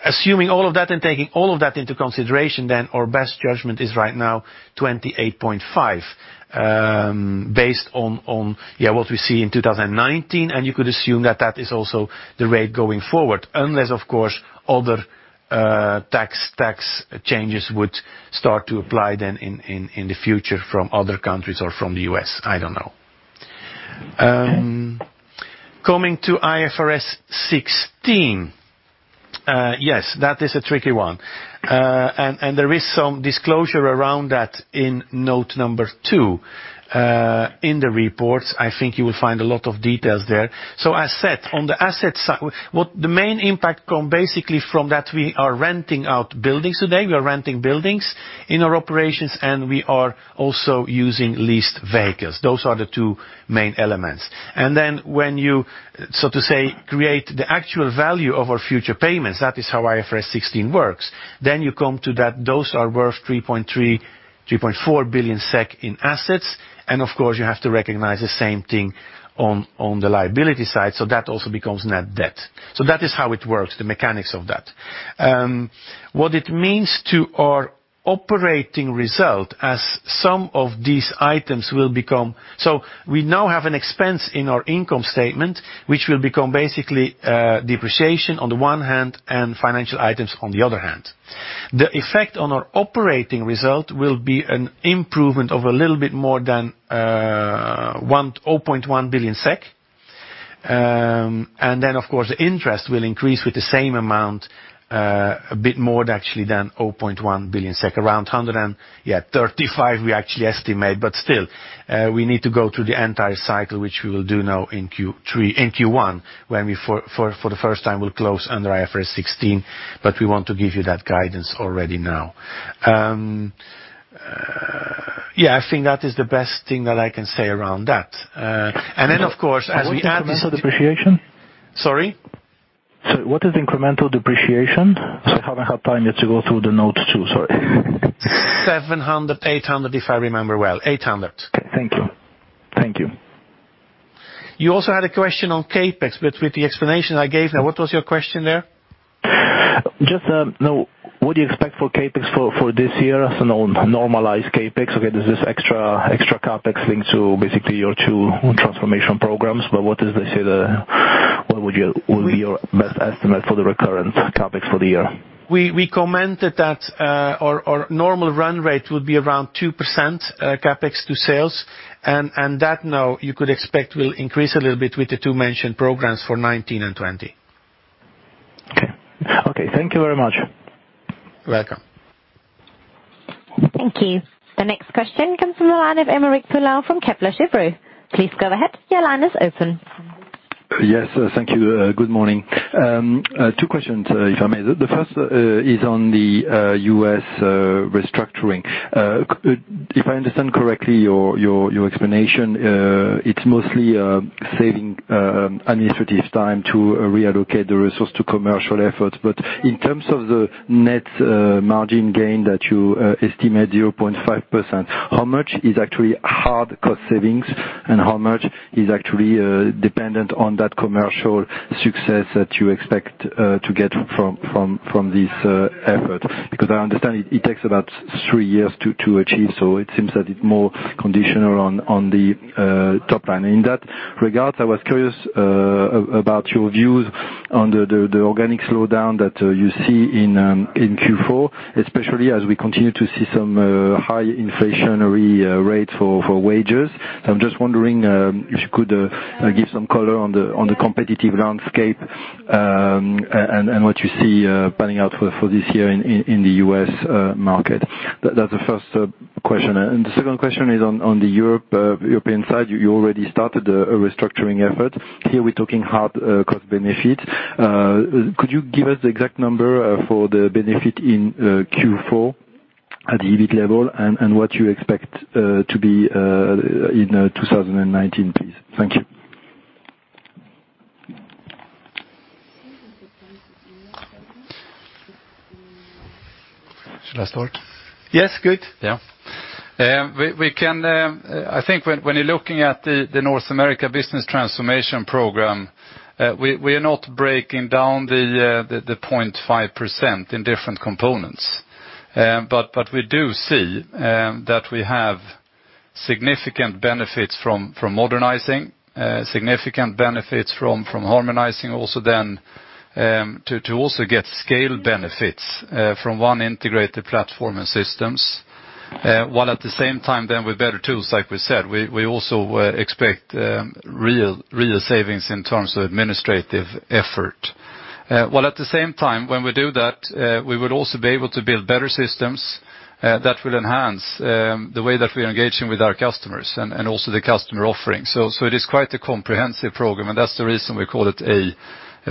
Assuming all of that and taking all of that into consideration, our best judgment is right now 28.5%, based on what we see in 2019, and you could assume that that is also the rate going forward, unless of course, other tax changes would start to apply in the future from other countries or from the U.S. I don't know. Okay. Coming to IFRS 16. Yes, that is a tricky one. There is some disclosure around that in note number two in the reports. I think you will find a lot of details there. As said, on the asset side, the main impact come basically from that we are renting out buildings today. We are renting buildings in our operations, and we are also using leased vehicles. Those are the two main elements. Then when you, so to say, create the actual value of our future payments, that is how IFRS 16 works. You come to that those are worth 3.4 billion SEK in assets, and of course, you have to recognize the same thing on the liability side. That also becomes net debt. That is how it works, the mechanics of that. What it means to our operating result as some of these items will become, we now have an expense in our income statement, which will become basically depreciation on the one hand and financial items on the other hand. The effect on our operating result will be an improvement of a little bit more than 0.1 billion SEK. Then, of course, the interest will increase with the same amount, a bit more actually than 0.1 billion SEK, around 135 million we actually estimate. Still, we need to go through the entire cycle, which we will do now in Q1, when we for the first time will close under IFRS 16, we want to give you that guidance already now. I think that is the best thing that I can say around that. Then, of course, as we add this- What is incremental depreciation? Sorry? Sorry, what is the incremental depreciation? I haven't had time yet to go through the notes, too. Sorry. 700, 800, if I remember well. 800. Okay. Thank you. You also had a question on CapEx, with the explanation I gave now, what was your question there? Just what do you expect for CapEx for this year as a normalized CapEx? Okay. There's this extra CapEx linked to basically your two transformation programs. What would be your best estimate for the recurrent CapEx for the year? We commented that our normal run rate would be around 2% CapEx to sales. That now you could expect will increase a little bit with the two mentioned programs for '19 and '20. Okay. Thank you very much. You're welcome. Thank you. The next question comes from the line of Aymeric Poulain from Kepler Cheuvreux. Please go ahead. Your line is open. Yes. Thank you. Good morning. Two questions, if I may. The first is on the U.S. restructuring. If I understand correctly, your explanation, it's mostly saving administrative time to reallocate the resource to commercial efforts. In terms of the net margin gain that you estimate 0.5%, how much is actually hard cost savings, and how much is actually dependent on that commercial success that you expect to get from this effort? Because I understand it takes about three years to achieve, so it seems that it's more conditional on the top line. In that regard, I was curious about your views on the organic slowdown that you see in Q4, especially as we continue to see some high inflationary rates for wages. I'm just wondering if you could give some color on the competitive landscape and what you see panning out for this year in the U.S. market. That's the first question. The second question is on the European side. You already started a restructuring effort. Here we're talking hard cost benefit. Could you give us the exact number for the benefit in Q4 at the EBIT level, and what you expect to be in 2019, please? Thank you. Should I start? Yes, good. I think when you're looking at the North America Business Transformation Program, we are not breaking down the 0.5% in different components. We do see that we have significant benefits from modernizing, significant benefits from harmonizing also then to also get scale benefits from one integrated platform and systems. At the same time then with better tools, like we said, we also expect real savings in terms of administrative effort. At the same time, when we do that, we would also be able to build better systems that will enhance the way that we are engaging with our customers and also the customer offering. It is quite a comprehensive program, and that's the reason we call it a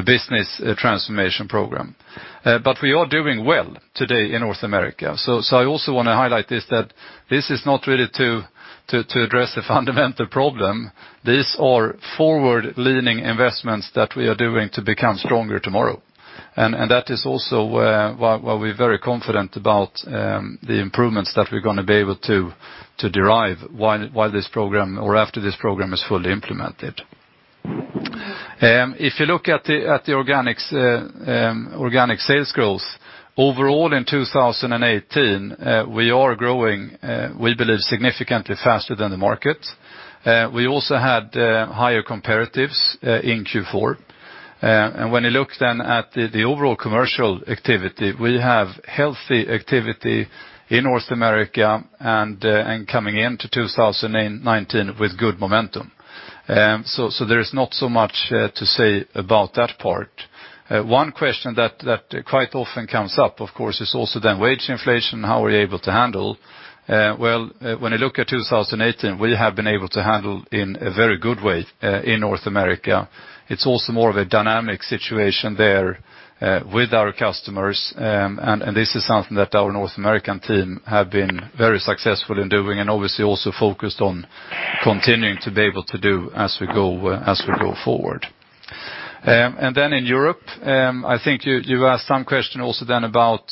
Business Transformation Program. We are doing well today in North America. I also want to highlight this, that this is not really to address the fundamental problem. These are forward-leaning investments that we are doing to become stronger tomorrow. That is also why we're very confident about the improvements that we're going to be able to derive while this program or after this program is fully implemented. If you look at the organic sales growth, overall in 2018, we are growing, we believe, significantly faster than the market. We also had higher comparatives in Q4. When you look then at the overall commercial activity, we have healthy activity in North America and coming into 2019 with good momentum. There is not so much to say about that part. One question that quite often comes up, of course, is also then wage inflation, how we're able to handle. Well, when you look at 2018, we have been able to handle in a very good way in North America. It's also more of a dynamic situation there with our customers, and this is something that our North American team have been very successful in doing and obviously also focused on continuing to be able to do as we go forward. Then in Europe, I think you asked some question also then about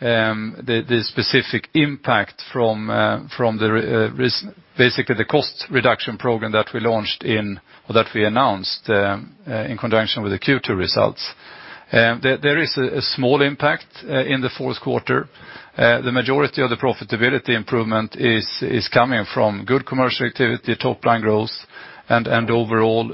the specific impact from basically the cost reduction program that we announced in conjunction with the Q2 results. There is a small impact in the fourth quarter. The majority of the profitability improvement is coming from good commercial activity, top line growth, and overall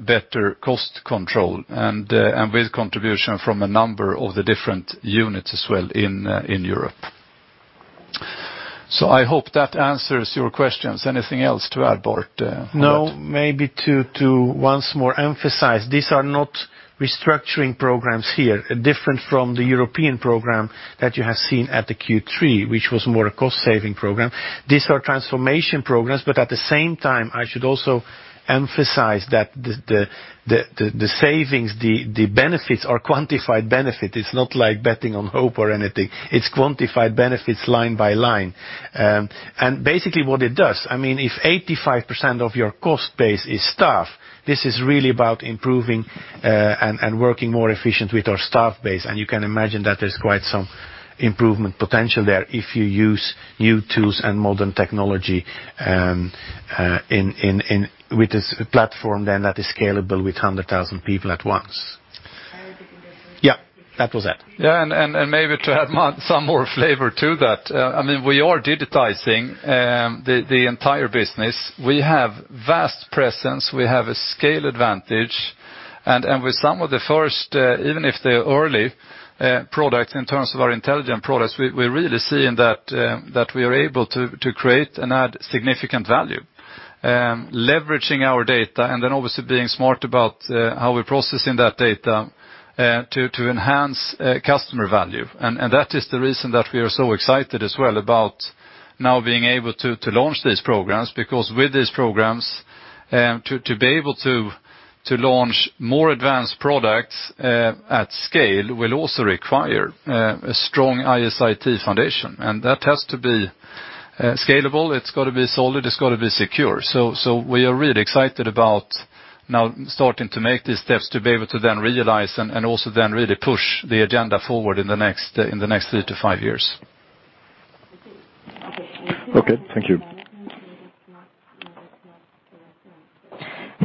better cost control, and with contribution from a number of the different units as well in Europe. I hope that answers your questions. Anything else to add, Bart? Maybe to once more emphasize, these are not restructuring programs here, different from the European program that you have seen at the Q3, which was more a cost-saving program. These are transformation programs, but at the same time, I should also emphasize that the savings, the benefits are quantified benefit. It's not like betting on hope or anything. It's quantified benefits line by line. Basically what it does, if 85% of your cost base is staff, this is really about improving and working more efficient with our staff base. You can imagine that there's quite some improvement potential there if you use new tools and modern technology with this platform that is scalable with 100,000 people at once. That was it. Maybe to add some more flavor to that. We are digitizing the entire business. We have vast presence, we have a scale advantage, and with some of the first, even if they're early products in terms of our intelligent products, we're really seeing that we are able to create and add significant value. Leveraging our data and obviously being smart about how we're processing that data to enhance customer value. That is the reason that we are so excited as well about now being able to launch these programs, because with these programs To be able to launch more advanced products at scale will also require a strong IS/IT foundation, and that has to be scalable. It's got to be solid, it's got to be secure. We are really excited about now starting to make these steps to be able to then realize and also then really push the agenda forward in the next three to five years. Thank you.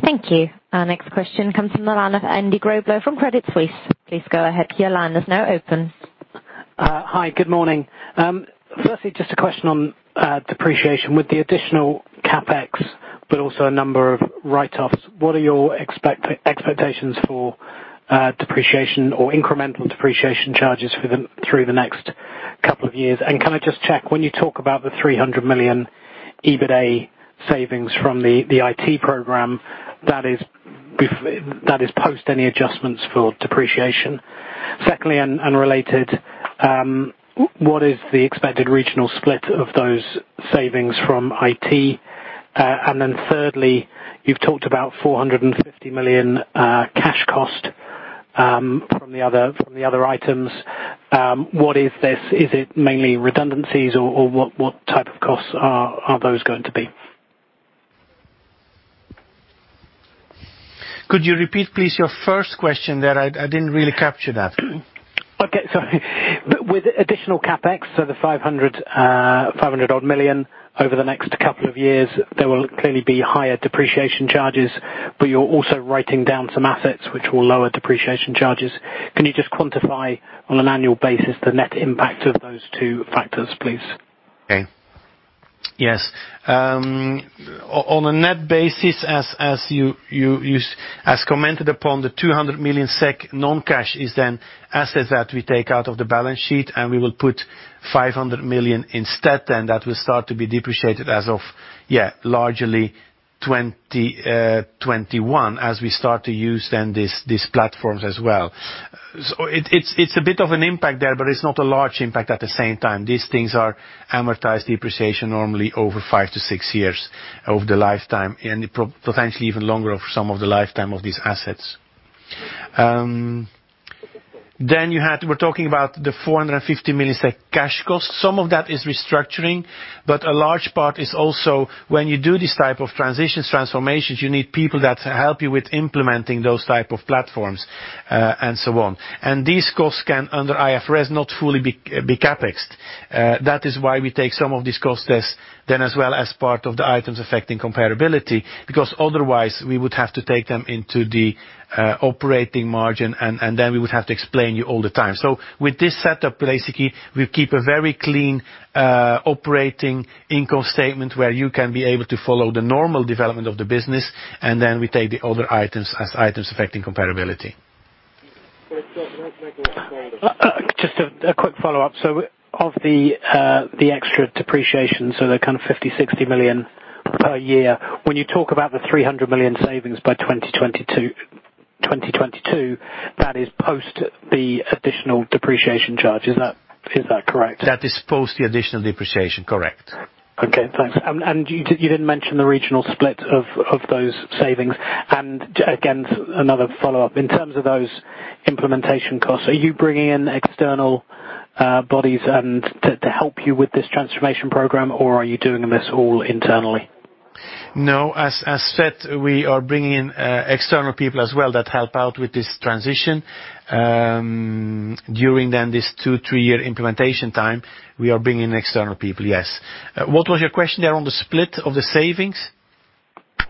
Thank you. Our next question comes from the line of Andy Grobler from Credit Suisse. Please go ahead. Your line is now open. Hi. Good morning. Firstly, just a question on depreciation with the additional CapEx, but also a number of write-offs. What are your expectations for depreciation or incremental depreciation charges through the next couple of years? Can I just check, when you talk about the 300 million EBITA savings from the IT program, that is post any adjustments for depreciation? Secondly, related, what is the expected regional split of those savings from IT? Thirdly, you've talked about 450 million cash cost from the other items. What is this? Is it mainly redundancies or what type of costs are those going to be? Could you repeat, please, your first question there? I didn't really capture that. Okay. Sorry. With additional CapEx, so the 500 odd million over the next couple of years, there will clearly be higher depreciation charges, but you're also writing down some assets which will lower depreciation charges. Can you just quantify on an annual basis the net impact of those two factors, please? Okay. Yes. On a net basis, as commented upon, the 200 million SEK non-cash is then assets that we take out of the balance sheet. We will put 500 million instead, and that will start to be depreciated as of largely 2021, as we start to use then these platforms as well. It's a bit of an impact there, but it's not a large impact at the same time. These things are amortized depreciation normally over five to six years over the lifetime, and potentially even longer of some of the lifetime of these assets. Then we're talking about the 450 million cash costs. Some of that is restructuring, but a large part is also when you do this type of transitions, transformations, you need people that help you with implementing those type of platforms, and so on. These costs can, under IFRS, not fully be CapExed. That is why we take some of these costs then as well as part of the items affecting comparability, because otherwise we would have to take them into the operating margin, and then we would have to explain you all the time. With this setup, basically, we keep a very clean operating income statement where you can be able to follow the normal development of the business, and then we take the other items as items affecting comparability. Just a quick follow-up. Of the extra depreciation, so the kind of 50, 60 million per year, when you talk about the 300 million savings by 2022, that is post the additional depreciation charge. Is that correct? That is post the additional depreciation. Correct. Okay, thanks. You didn't mention the regional split of those savings. Again, another follow-up. In terms of those implementation costs, are you bringing in external bodies to help you with this transformation program, or are you doing this all internally? No, as said, we are bringing in external people as well that help out with this transition. During this two, three-year implementation time, we are bringing external people, yes. What was your question there on the split of the savings?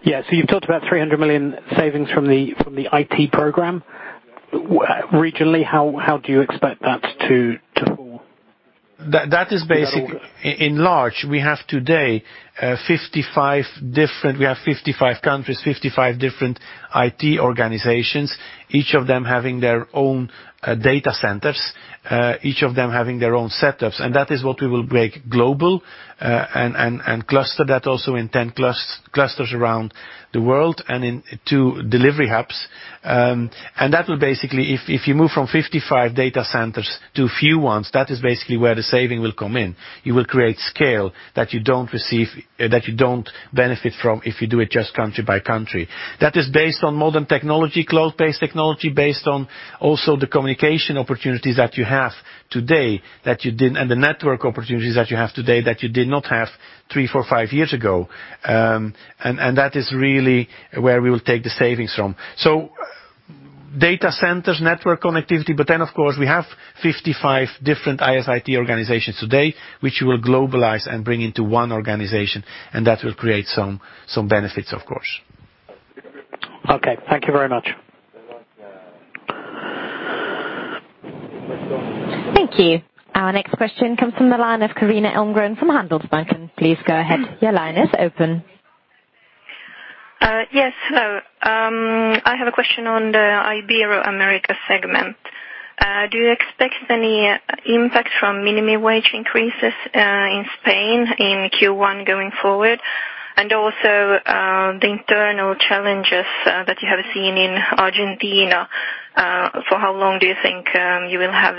Yeah. You've talked about 300 million savings from the IT program. Regionally, how do you expect that to fall? That is basic. In large, we have today 55 countries, 55 different IT organizations, each of them having their own data centers, each of them having their own setups. That is what we will make global and cluster that also in 10 clusters around the world and in two delivery hubs. That will basically, if you move from 55 data centers to few ones, that is basically where the saving will come in. You will create scale that you don't benefit from if you do it just country by country. That is based on modern technology, cloud-based technology, based on also the communication opportunities that you have today, and the network opportunities that you have today that you did not have three, four, five years ago. That is really where we will take the savings from. Data centers, network connectivity, of course, we have 55 different IS/IT organizations today, which we will globalize and bring into one organization, that will create some benefits, of course. Thank you very much. Thank you. Our next question comes from the line of Carina Elmgren from Handelsbanken. Please go ahead. Your line is open. Yes. Hello. I have a question on the Ibero-America segment. Do you expect any impact from minimum wage increases in Spain in Q1 going forward? Also, the internal challenges that you have seen in Argentina, for how long do you think you will have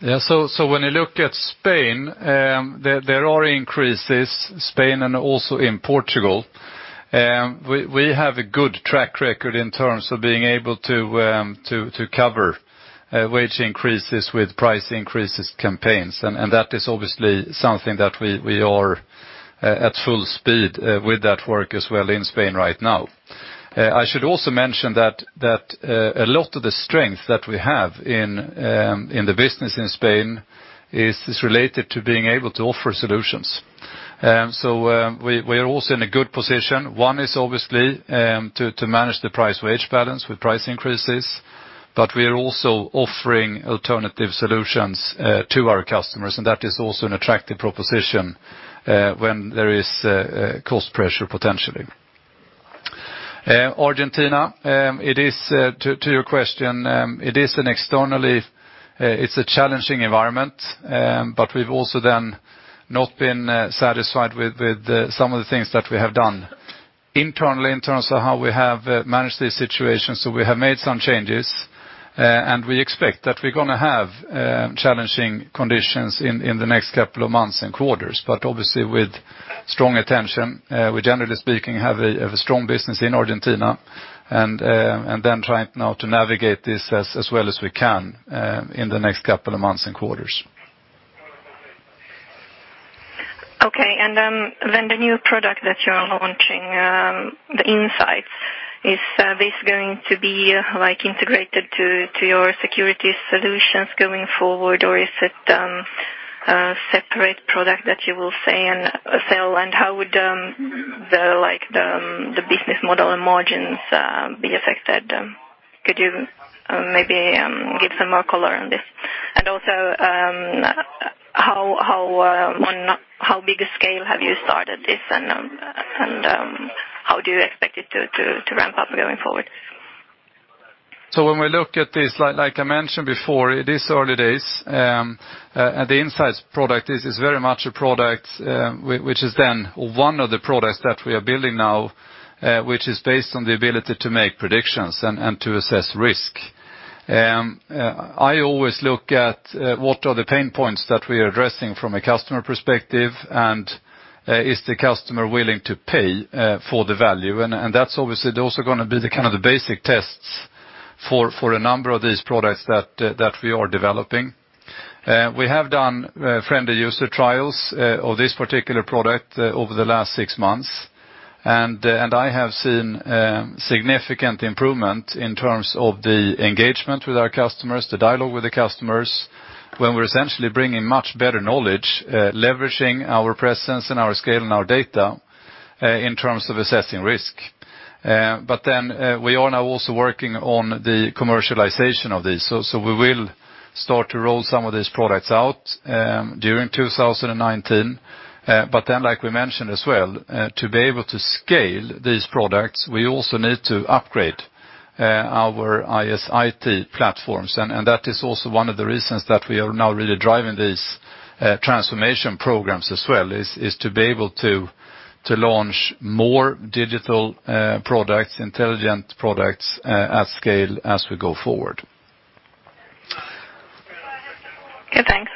this? When you look at Spain, there are increases Spain and also in Portugal. We have a good track record in terms of being able to cover wage increases with price increases campaigns. That is obviously something that we are at full speed with that work as well in Spain right now. I should also mention that a lot of the strength that we have in the business in Spain is related to being able to offer solutions. We are also in a good position. One is obviously to manage the price wage balance with price increases, but we are also offering alternative solutions to our customers, and that is also an attractive proposition when there is cost pressure potentially. Argentina, to your question, externally it's a challenging environment, but we've also then not been satisfied with some of the things that we have done internally in terms of how we have managed this situation. We have made some changes, and we expect that we're going to have challenging conditions in the next couple of months and quarters, but obviously with strong attention. We generally speaking have a strong business in Argentina, trying now to navigate this as well as we can in the next couple of months and quarters. Okay. The new product that you are launching, Insights, is this going to be integrated to your security solutions going forward, or is it separate product that you will sell, and how would the business model and margins be affected? Could you maybe give some more color on this? On how big a scale have you started this and how do you expect it to ramp up going forward? When we look at this, like I mentioned before, it is early days. The Insights product is very much a product, which is then one of the products that we are building now which is based on the ability to make predictions and to assess risk. I always look at what are the pain points that we are addressing from a customer perspective, and is the customer willing to pay for the value? That's obviously also going to be the kind of the basic tests for a number of these products that we are developing. We have done friendly user trials of this particular product over the last six months, I have seen significant improvement in terms of the engagement with our customers, the dialogue with the customers, when we're essentially bringing much better knowledge, leveraging our presence and our scale and our data in terms of assessing risk. We are now also working on the commercialization of this. We will start to roll some of these products out during 2019. Like we mentioned as well, to be able to scale these products, we also need to upgrade our IS/IT platforms. That is also one of the reasons that we are now really driving these transformation programs as well, is to be able to launch more digital products, intelligent products at scale as we go forward. Okay, thanks.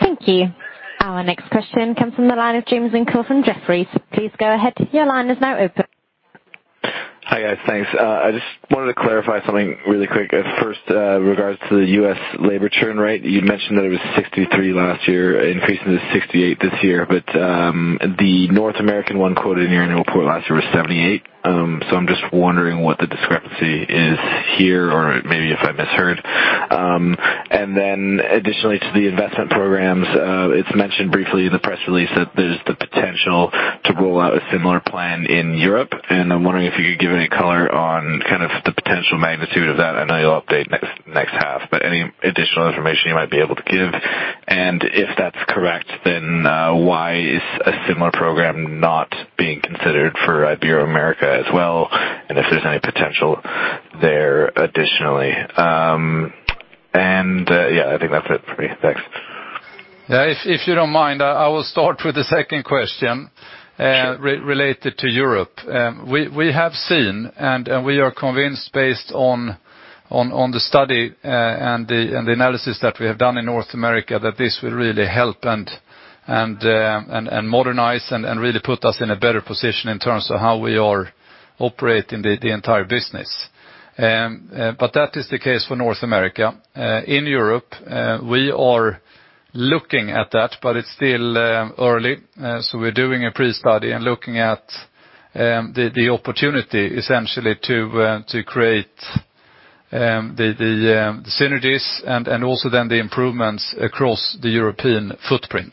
Thank you. Our next question comes from the line of James Winckler from Jefferies. Please go ahead. Your line is now open. Hi, guys. Thanks. I just wanted to clarify something really quick. First, regards to the U.S. labor churn rate. You mentioned that it was 63 last year, increasing to 68 this year. The North American one quoted in your annual report last year was 78. I'm just wondering what the discrepancy is here or maybe if I misheard. Additionally to the investment programs, it's mentioned briefly in the press release that there's the potential to roll out a similar plan in Europe, I'm wondering if you could give any color on kind of the potential magnitude of that. I know you'll update next half, but any additional information you might be able to give. If that's correct, then why is a similar program not being considered for Ibero-America as well, and if there's any potential there additionally. Yeah, I think that's it for me. Thanks. Yeah, if you don't mind, I will start with the second question. Sure related to Europe. We have seen, and we are convinced based on the study and the analysis that we have done in North America, that this will really help and modernize and really put us in a better position in terms of how we are operating the entire business. That is the case for North America. In Europe, we are looking at that, but it's still early. We're doing a pre-study and looking at the opportunity essentially to create the synergies and also then the improvements across the European footprint.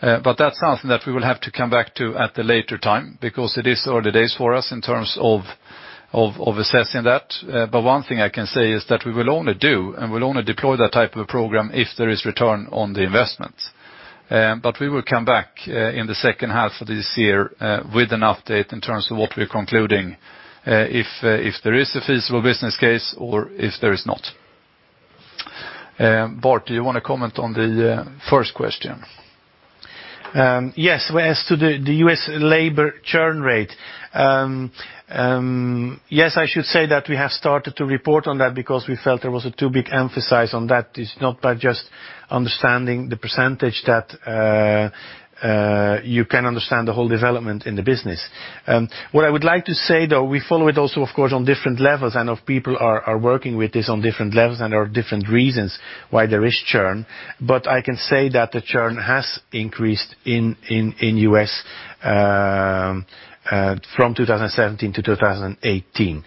That's something that we will have to come back to at a later time because it is early days for us in terms of assessing that. One thing I can say is that we will only do and we'll only deploy that type of a program if there is return on the investment. We will come back in the second half of this year with an update in terms of what we're concluding if there is a feasible business case or if there is not. Bart, do you want to comment on the first question? Yes. As to the U.S. labor churn rate. Yes, I should say that we have started to report on that because we felt there was a too big emphasis on that. It's not by just understanding the % that you can understand the whole development in the business. What I would like to say, though, we follow it also, of course, on different levels, and of people are working with this on different levels and there are different reasons why there is churn. I can say that the churn has increased in U.S. from 2017-2018.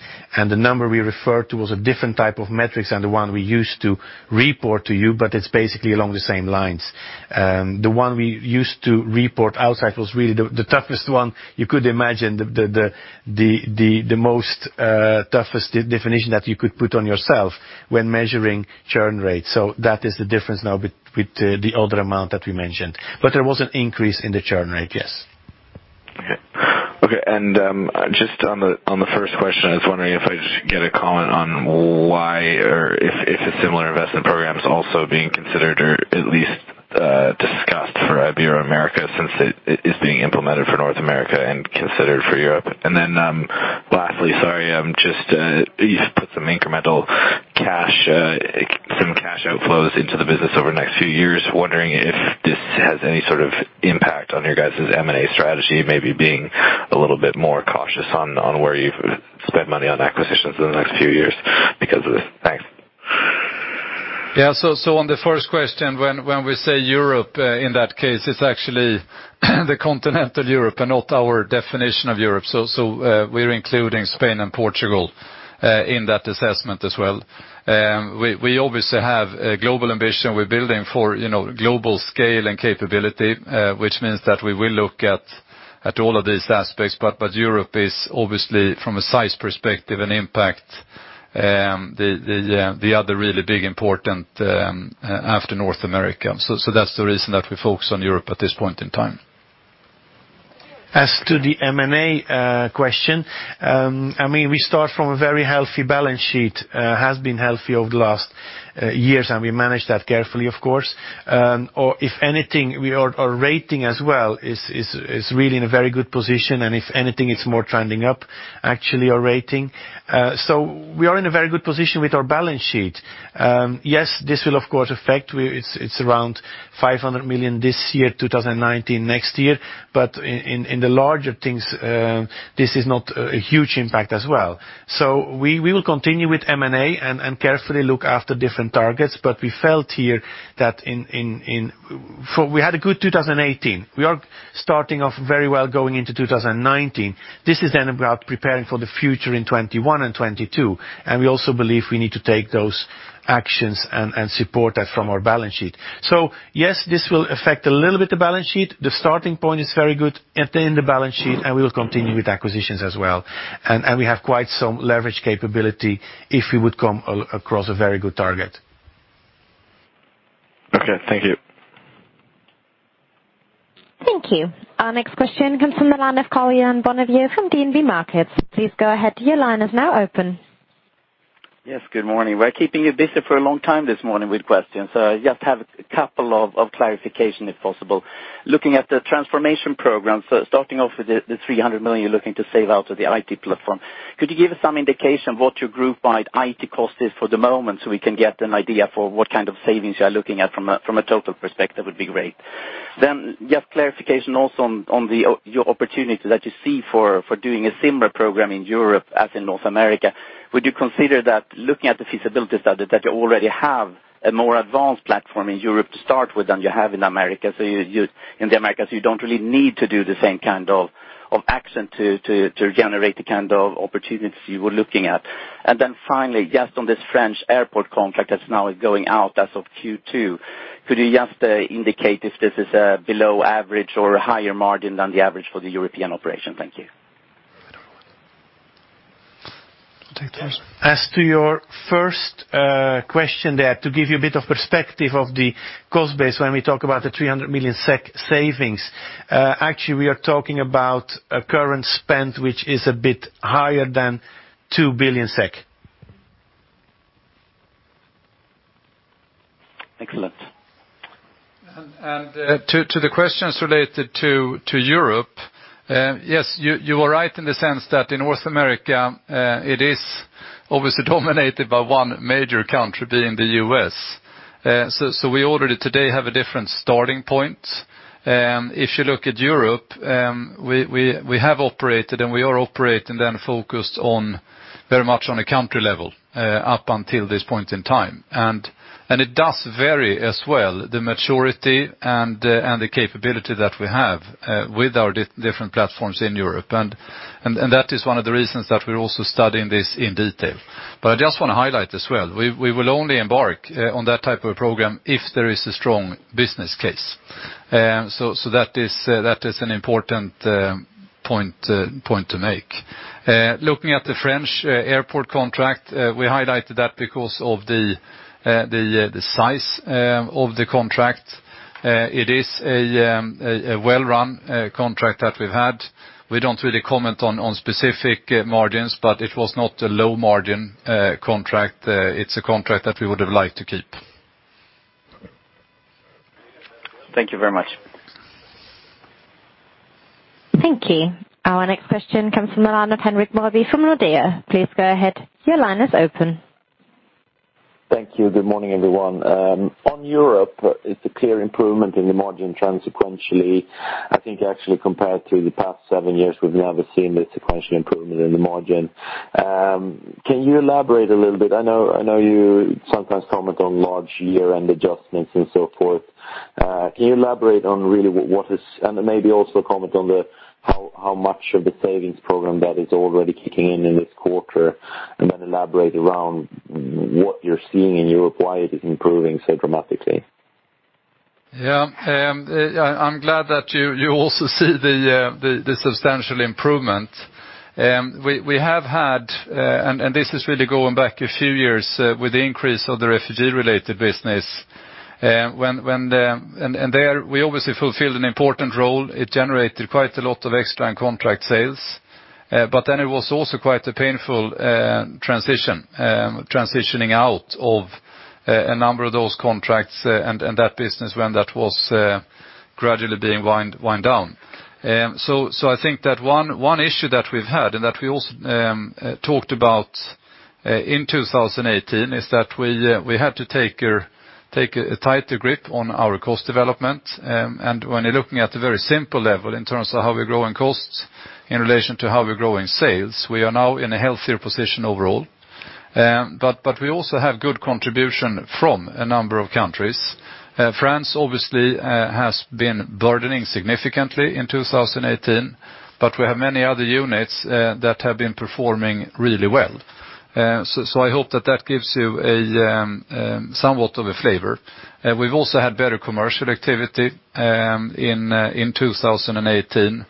The number we referred to was a different type of metrics than the one we used to report to you, but it's basically along the same lines. The one we used to report outside was really the toughest one you could imagine, the most toughest definition that you could put on yourself when measuring churn rate. That is the difference now with the older amount that we mentioned. There was an increase in the churn rate, yes. Okay. Just on the first question, I was wondering if I just get a comment on why or if a similar investment program is also being considered or at least discussed for Ibero-America since it is being implemented for North America and considered for Europe. Lastly, sorry, you put some incremental cash outflows into the business over the next few years. Wondering if this has any sort of impact on your guys' M&A strategy, maybe being a little bit more cautious on where you spend money on acquisitions in the next few years because of this. Thanks. Yeah. On the first question, when we say Europe, in that case, it's actually the continental Europe and not our definition of Europe. We're including Spain and Portugal, in that assessment as well. We obviously have a global ambition. We're building for global scale and capability, which means that we will look at all of these aspects. Europe is obviously from a size perspective and impact, the other really big important, after North America. That's the reason that we focus on Europe at this point in time. As to the M&A question, we start from a very healthy balance sheet, has been healthy over the last years, and we manage that carefully, of course. If anything, our rating as well is really in a very good position. If anything, it's more trending up, actually, our rating. We are in a very good position with our balance sheet. Yes, this will, of course, affect, it's around 500 million this year, 2019, next year. In the larger things, this is not a huge impact as well. We will continue with M&A and carefully look after different targets. We felt here that we had a good 2018. We are starting off very well going into 2019. This is then about preparing for the future in 2021 and 2022. We also believe we need to take those actions and support that from our balance sheet. Yes, this will affect a little bit the balance sheet. The starting point is very good in the balance sheet, and we will continue with acquisitions as well. We have quite some leverage capability if we would come across a very good target. Okay. Thank you. Thank you. Our next question comes from the line of Karl-Johan Bonnevier from DNB Markets. Please go ahead, your line is now open. Yes, good morning. We're keeping you busy for a long time this morning with questions. I just have a couple of clarifications, if possible. Looking at the transformation program, starting off with the 300 million you're looking to save out of the IT platform. Could you give us some indication what your group-wide IT cost is for the moment so we can get an idea for what kind of savings you are looking at from a total perspective would be great. Just clarification also on your opportunity that you see for doing a similar program in Europe as in North America. Would you consider that looking at the feasibility study that you already have a more advanced platform in Europe to start with than you have in the Americas, so you don't really need to do the same kind of action to generate the kind of opportunities you were looking at. Finally, just on this French airport contract that's now going out as of Q2, could you just indicate if this is below average or higher margin than the average for the European operation? Thank you. I'll take that. As to your first question there, to give you a bit of perspective of the cost base when we talk about the 300 million SEK savings, actually, we are talking about a current spend which is a bit higher than 2 billion SEK. Excellent. To the questions related to Europe, yes, you are right in the sense that in North America, it is obviously dominated by one major country, being the U.S. We already today have a different starting point. If you look at Europe, we have operated and we are operating and focused very much on a country level up until this point in time. It does vary as well, the maturity and the capability that we have with our different platforms in Europe. That is one of the reasons that we're also studying this in detail. I just want to highlight as well, we will only embark on that type of program if there is a strong business case. That is an important point to make. Looking at the French airport contract, we highlighted that because of the size of the contract. It is a well-run contract that we've had. We don't really comment on specific margins, but it was not a low-margin contract. It's a contract that we would have liked to keep. Thank you very much. Thank you. Our next question comes from the line of Henrik Mawby from Nordea. Please go ahead. Your line is open. Thank you. Good morning, everyone. On Europe, it's a clear improvement in the margin sequentially. I think actually compared to the past seven years, we've never seen the sequential improvement in the margin. Can you elaborate a little bit? I know you sometimes comment on large year-end adjustments and so forth. Can you elaborate on really what is, and maybe also comment on how much of the savings program that is already kicking in in this quarter, and then elaborate around what you're seeing in Europe, why it is improving so dramatically? I'm glad that you also see the substantial improvement. We have had, and this is really going back a few years, with the increase of the refugee-related business. There, we obviously fulfilled an important role. It generated quite a lot of extra and contract sales. It was also quite a painful transition, transitioning out of a number of those contracts and that business when that was gradually being wind down. I think that one issue that we've had, and that we also talked about in 2018, is that we had to take a tighter grip on our cost development. When you're looking at the very simple level in terms of how we're growing costs in relation to how we're growing sales, we are now in a healthier position overall. We also have good contribution from a number of countries. France obviously has been burdening significantly in 2018, we have many other units that have been performing really well. I hope that that gives you somewhat of a flavor. We've also had better commercial activity in 2018.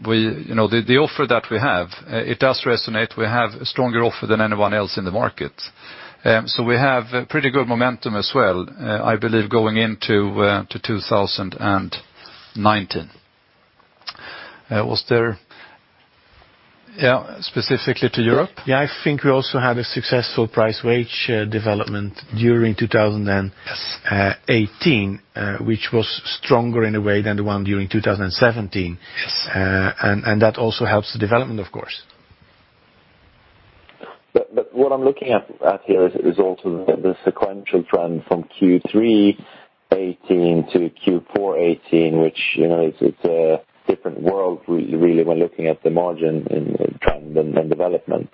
The offer that we have, it does resonate. We have a stronger offer than anyone else in the market. We have pretty good momentum as well, I believe, going into 2019. Specifically to Europe? I think we also had a successful price wage development during 2018, which was stronger in a way than the one during 2017. Yes. That also helps the development, of course. What I'm looking at here is also the sequential trend from Q3 2018 to Q4 2018, which is a different world, really, when looking at the margin in trend and development.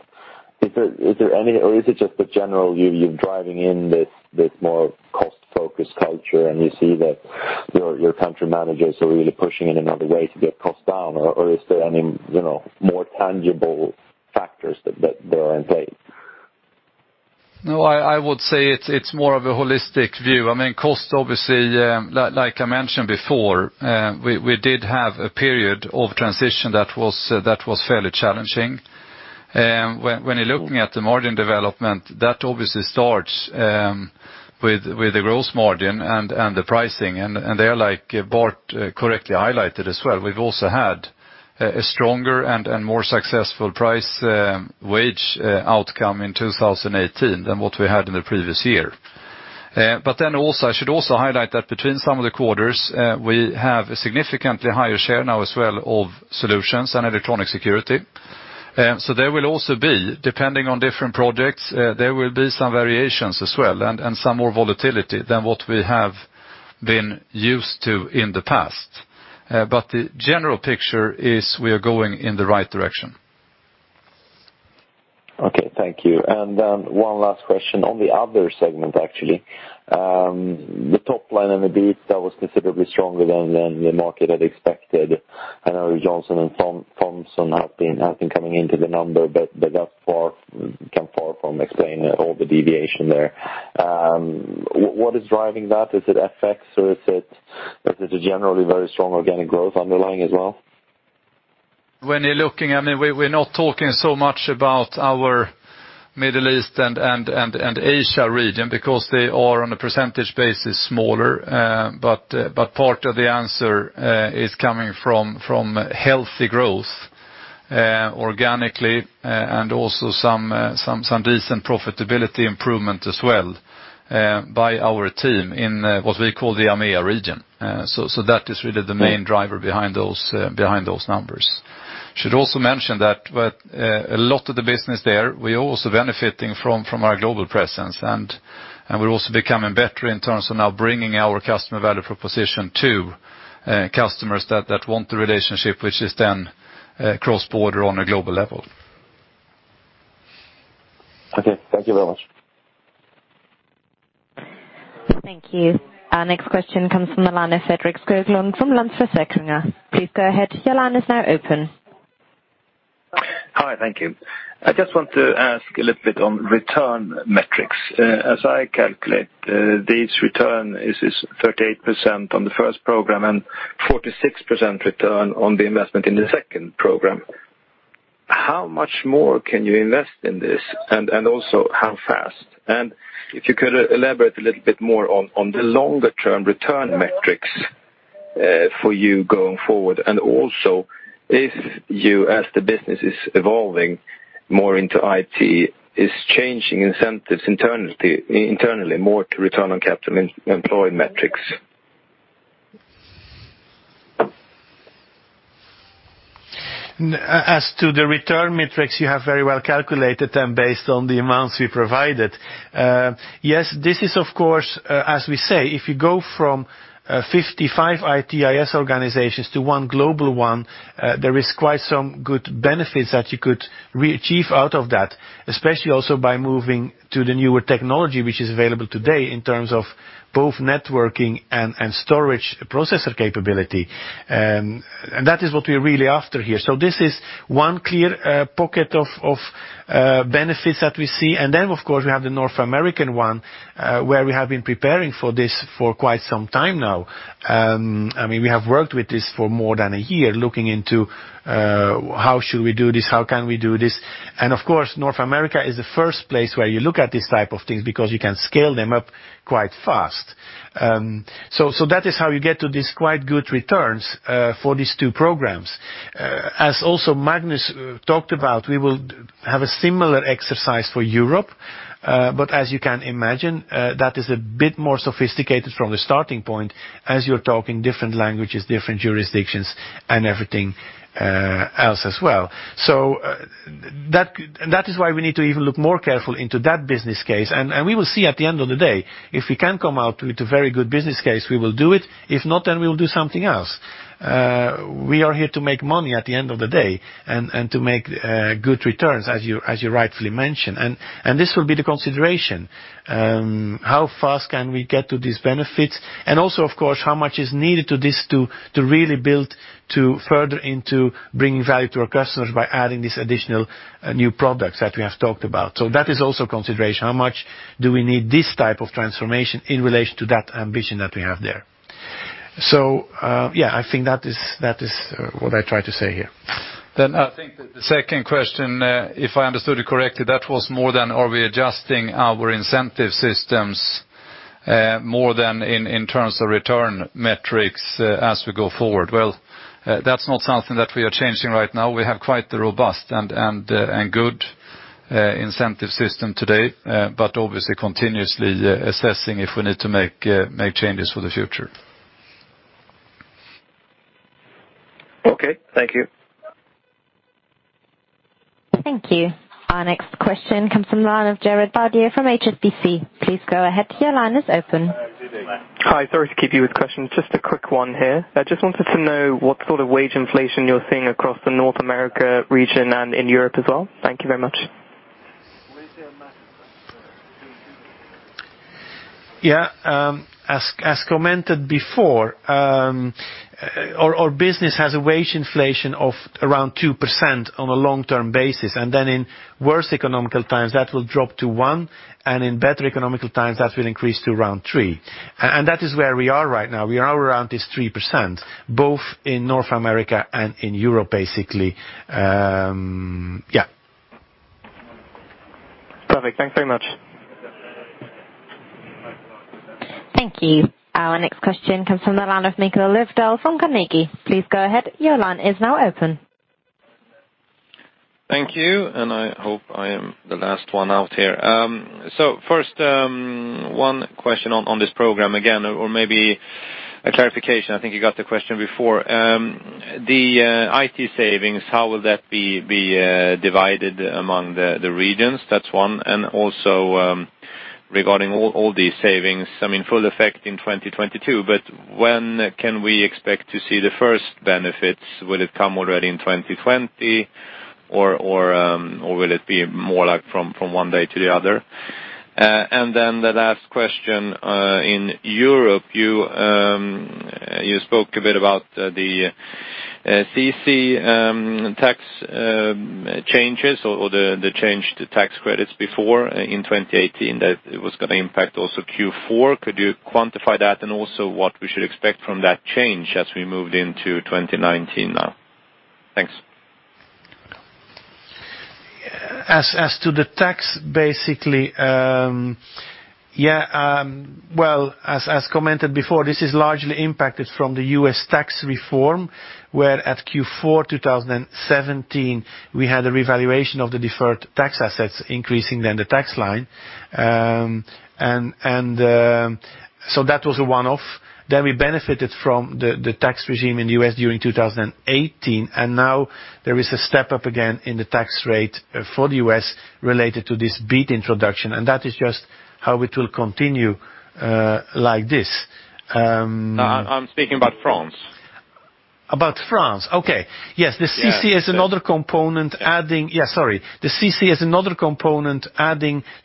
Is it just the general you're driving in this more cost-focused culture, and you see that your country managers are really pushing in another way to get costs down, or is there any more tangible factors that are in play? I would say it's more of a holistic view. Cost, obviously, like I mentioned before, we did have a period of transition that was fairly challenging. When you're looking at the margin development, that obviously starts with the gross margin and the pricing, and there, like Bart correctly highlighted as well, we've also had a stronger and more successful price wage outcome in 2018 than what we had in the previous year. I should also highlight that between some of the quarters, we have a significantly higher share now as well of solutions and electronic security. There will also be, depending on different projects, there will be some variations as well and some more volatility than what we have been used to in the past. The general picture is we are going in the right direction. Okay, thank you. One last question on the other segment, actually. The top line and the BEAT that was considerably stronger than the market had expected. I know Johnson and Thompson have been coming into the number, but they come far from explaining all the deviation there. What is driving that? Is it FX or is it a generally very strong organic growth underlying as well? When you're looking, we're not talking so much about our Middle East and Asia region because they are on a percentage basis smaller, but part of the answer is coming from healthy growth organically and also some decent profitability improvement as well by our team in what we call the EMEA region. That is really the main driver behind those numbers. Should also mention that a lot of the business there, we're also benefiting from our global presence, and we're also becoming better in terms of now bringing our customer value proposition to customers that want the relationship, which is then cross-border on a global level. Okay. Thank you very much. Thank you. Our next question comes from the line of Fredrik Skoglund from Länsförsäkringar. Please go ahead. Your line is now open. Hi, thank you. I just want to ask a little bit on return metrics. As I calculate, this return is 38% on the first program and 46% return on the investment in the second program. How much more can you invest in this? How fast? If you could elaborate a little bit more on the longer-term return metrics for you going forward, and also if you, as the business is evolving more into IT, is changing incentives internally more to return on capital employed metrics. As to the return metrics, you have very well calculated them based on the amounts we provided. Yes, this is, of course, as we say, if you go from 55 IT IS organizations to one global one, there is quite some good benefits that you could achieve out of that, especially also by moving to the newer technology, which is available today in terms of both networking and storage processor capability. That is what we're really after here. This is one clear pocket of benefits that we see. Then, of course, we have the North American one, where we have been preparing for this for quite some time now. We have worked with this for more than a year, looking into how should we do this, how can we do this. Of course, North America is the first place where you look at these type of things because you can scale them up quite fast. That is how you get to these quite good returns for these two programs. As also Magnus talked about, we will have a similar exercise for Europe. As you can imagine, that is a bit more sophisticated from the starting point as you are talking different languages, different jurisdictions, and everything else as well. That is why we need to even look more careful into that business case. We will see at the end of the day, if we can come out with a very good business case, we will do it. If not, we will do something else. We are here to make money at the end of the day and to make good returns as you rightfully mentioned. This will be the consideration. How fast can we get to these benefits? Also, of course, how much is needed to this to really build to further into bringing value to our customers by adding these additional new products that we have talked about. That is also a consideration. How much do we need this type of transformation in relation to that ambition that we have there? Yeah, I think that is what I try to say here. I think that the second question, if I understood it correctly, that was more than are we adjusting our incentive systems more than in terms of return metrics as we go forward. Well, that's not something that we are changing right now. We have quite the robust and good incentive system today, but obviously continuously assessing if we need to make changes for the future. Okay. Thank you. Thank you. Our next question comes from the line of Chirag Vadhia from HSBC. Please go ahead. Your line is open. Hi. Sorry to keep you with questions. Just a quick one here. I just wanted to know what sort of wage inflation you're seeing across the North America region and in Europe as well. Thank you very much. Yeah. As commented before, our business has a wage inflation of around 2% on a long-term basis. Then in worse economical times, that will drop to one, and in better economical times, that will increase to around three. That is where we are right now. We are around this 3%, both in North America and in Europe, basically. Yeah. Perfect. Thanks very much. Thank you. Our next question comes from the line of Mikael Löfdahl from Carnegie. Please go ahead. Your line is now open. Thank you. I hope I am the last one out here. First, one question on this program again, or maybe a clarification. I think you got the question before. The IS/IT savings, how will that be divided among the regions? That is one. Also, regarding all these savings, I mean, full effect in 2022, but when can we expect to see the first benefits? Will it come already in 2020 or will it be more like from one day to the other? Then the last question, in Europe, you spoke a bit about the CICE tax changes or the change to tax credits before in 2018, that it was going to impact also Q4. Could you quantify that and also what we should expect from that change as we moved into 2019 now? Thanks. As to the tax, basically. As commented before, this is largely impacted from the US tax reform, where at Q4 2017, we had a revaluation of the deferred tax assets increasing then the tax line. That was a one-off. We benefited from the tax regime in the U.S. during 2018, and now there is a step up again in the tax rate for the U.S. related to this BEAT introduction, and that is just how it will continue like this. I am speaking about France. About France. Okay. Yes. Yeah. CICE is another component adding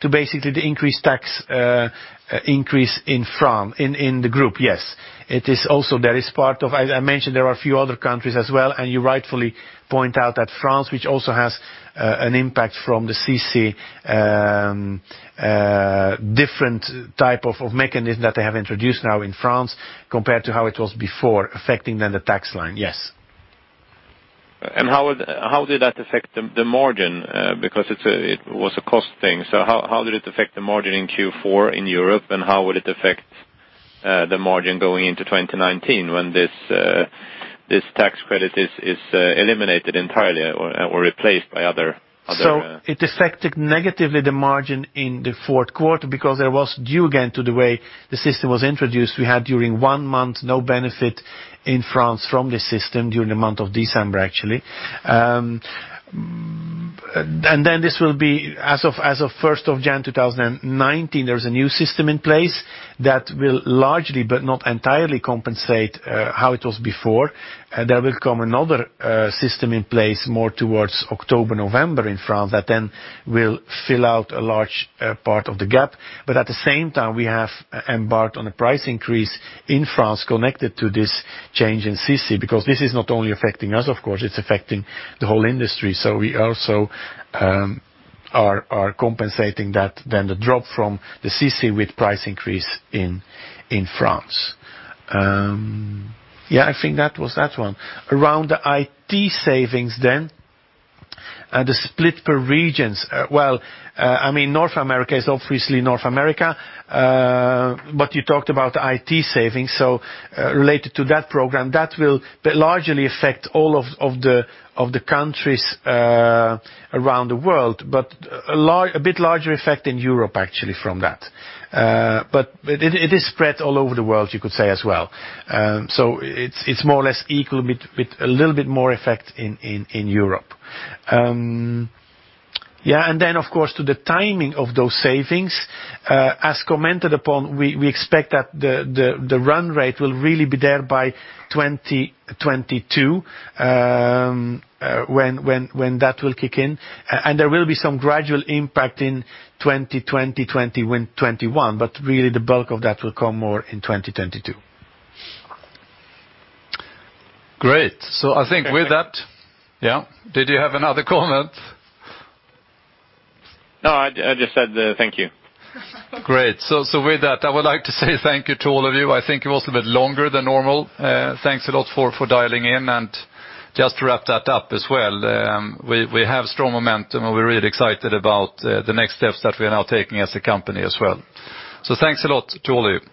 to basically the increased tax increase in the group. Yes. I mentioned there are a few other countries as well. You rightfully point out that France, which also has an impact from the CICE, different type of mechanism that they have introduced now in France compared to how it was before, affecting the tax line. Yes. How did that affect the margin? Because it was a cost thing. How did it affect the margin in Q4 in Europe? How will it affect the margin going into 2019 when this tax credit is eliminated entirely or replaced by other? It affected negatively the margin in the fourth quarter because there was, due again to the way the system was introduced, we had during one month, no benefit in France from the system during the month of December, actually. This will be as of 1st of January 2019, there's a new system in place that will largely, but not entirely compensate how it was before. There will come another system in place more towards October, November in France, that then will fill out a large part of the gap. At the same time, we have embarked on a price increase in France connected to this change in CICE, because this is not only affecting us, of course, it's affecting the whole industry. We also are compensating that then the drop from the CICE with price increase in France. Yeah, I think that was that one. Around the IT savings, and the split per regions. North America is obviously North America, but you talked about IT savings, related to that program, that will largely affect all of the countries around the world, but a bit larger effect in Europe actually from that. It is spread all over the world, you could say as well. It's more or less equal with a little bit more effect in Europe. Of course, to the timing of those savings, as commented upon, we expect that the run rate will really be there by 2022, when that will kick in. There will be some gradual impact in 2020, 2021, but really the bulk of that will come more in 2022. Great. I think with that, yeah. Did you have another comment? No, I just said thank you. Great. With that, I would like to say thank you to all of you. I think it was a bit longer than normal. Thanks a lot for dialing in and just to wrap that up as well, we have strong momentum, and we're really excited about the next steps that we are now taking as a company as well. Thanks a lot to all of you.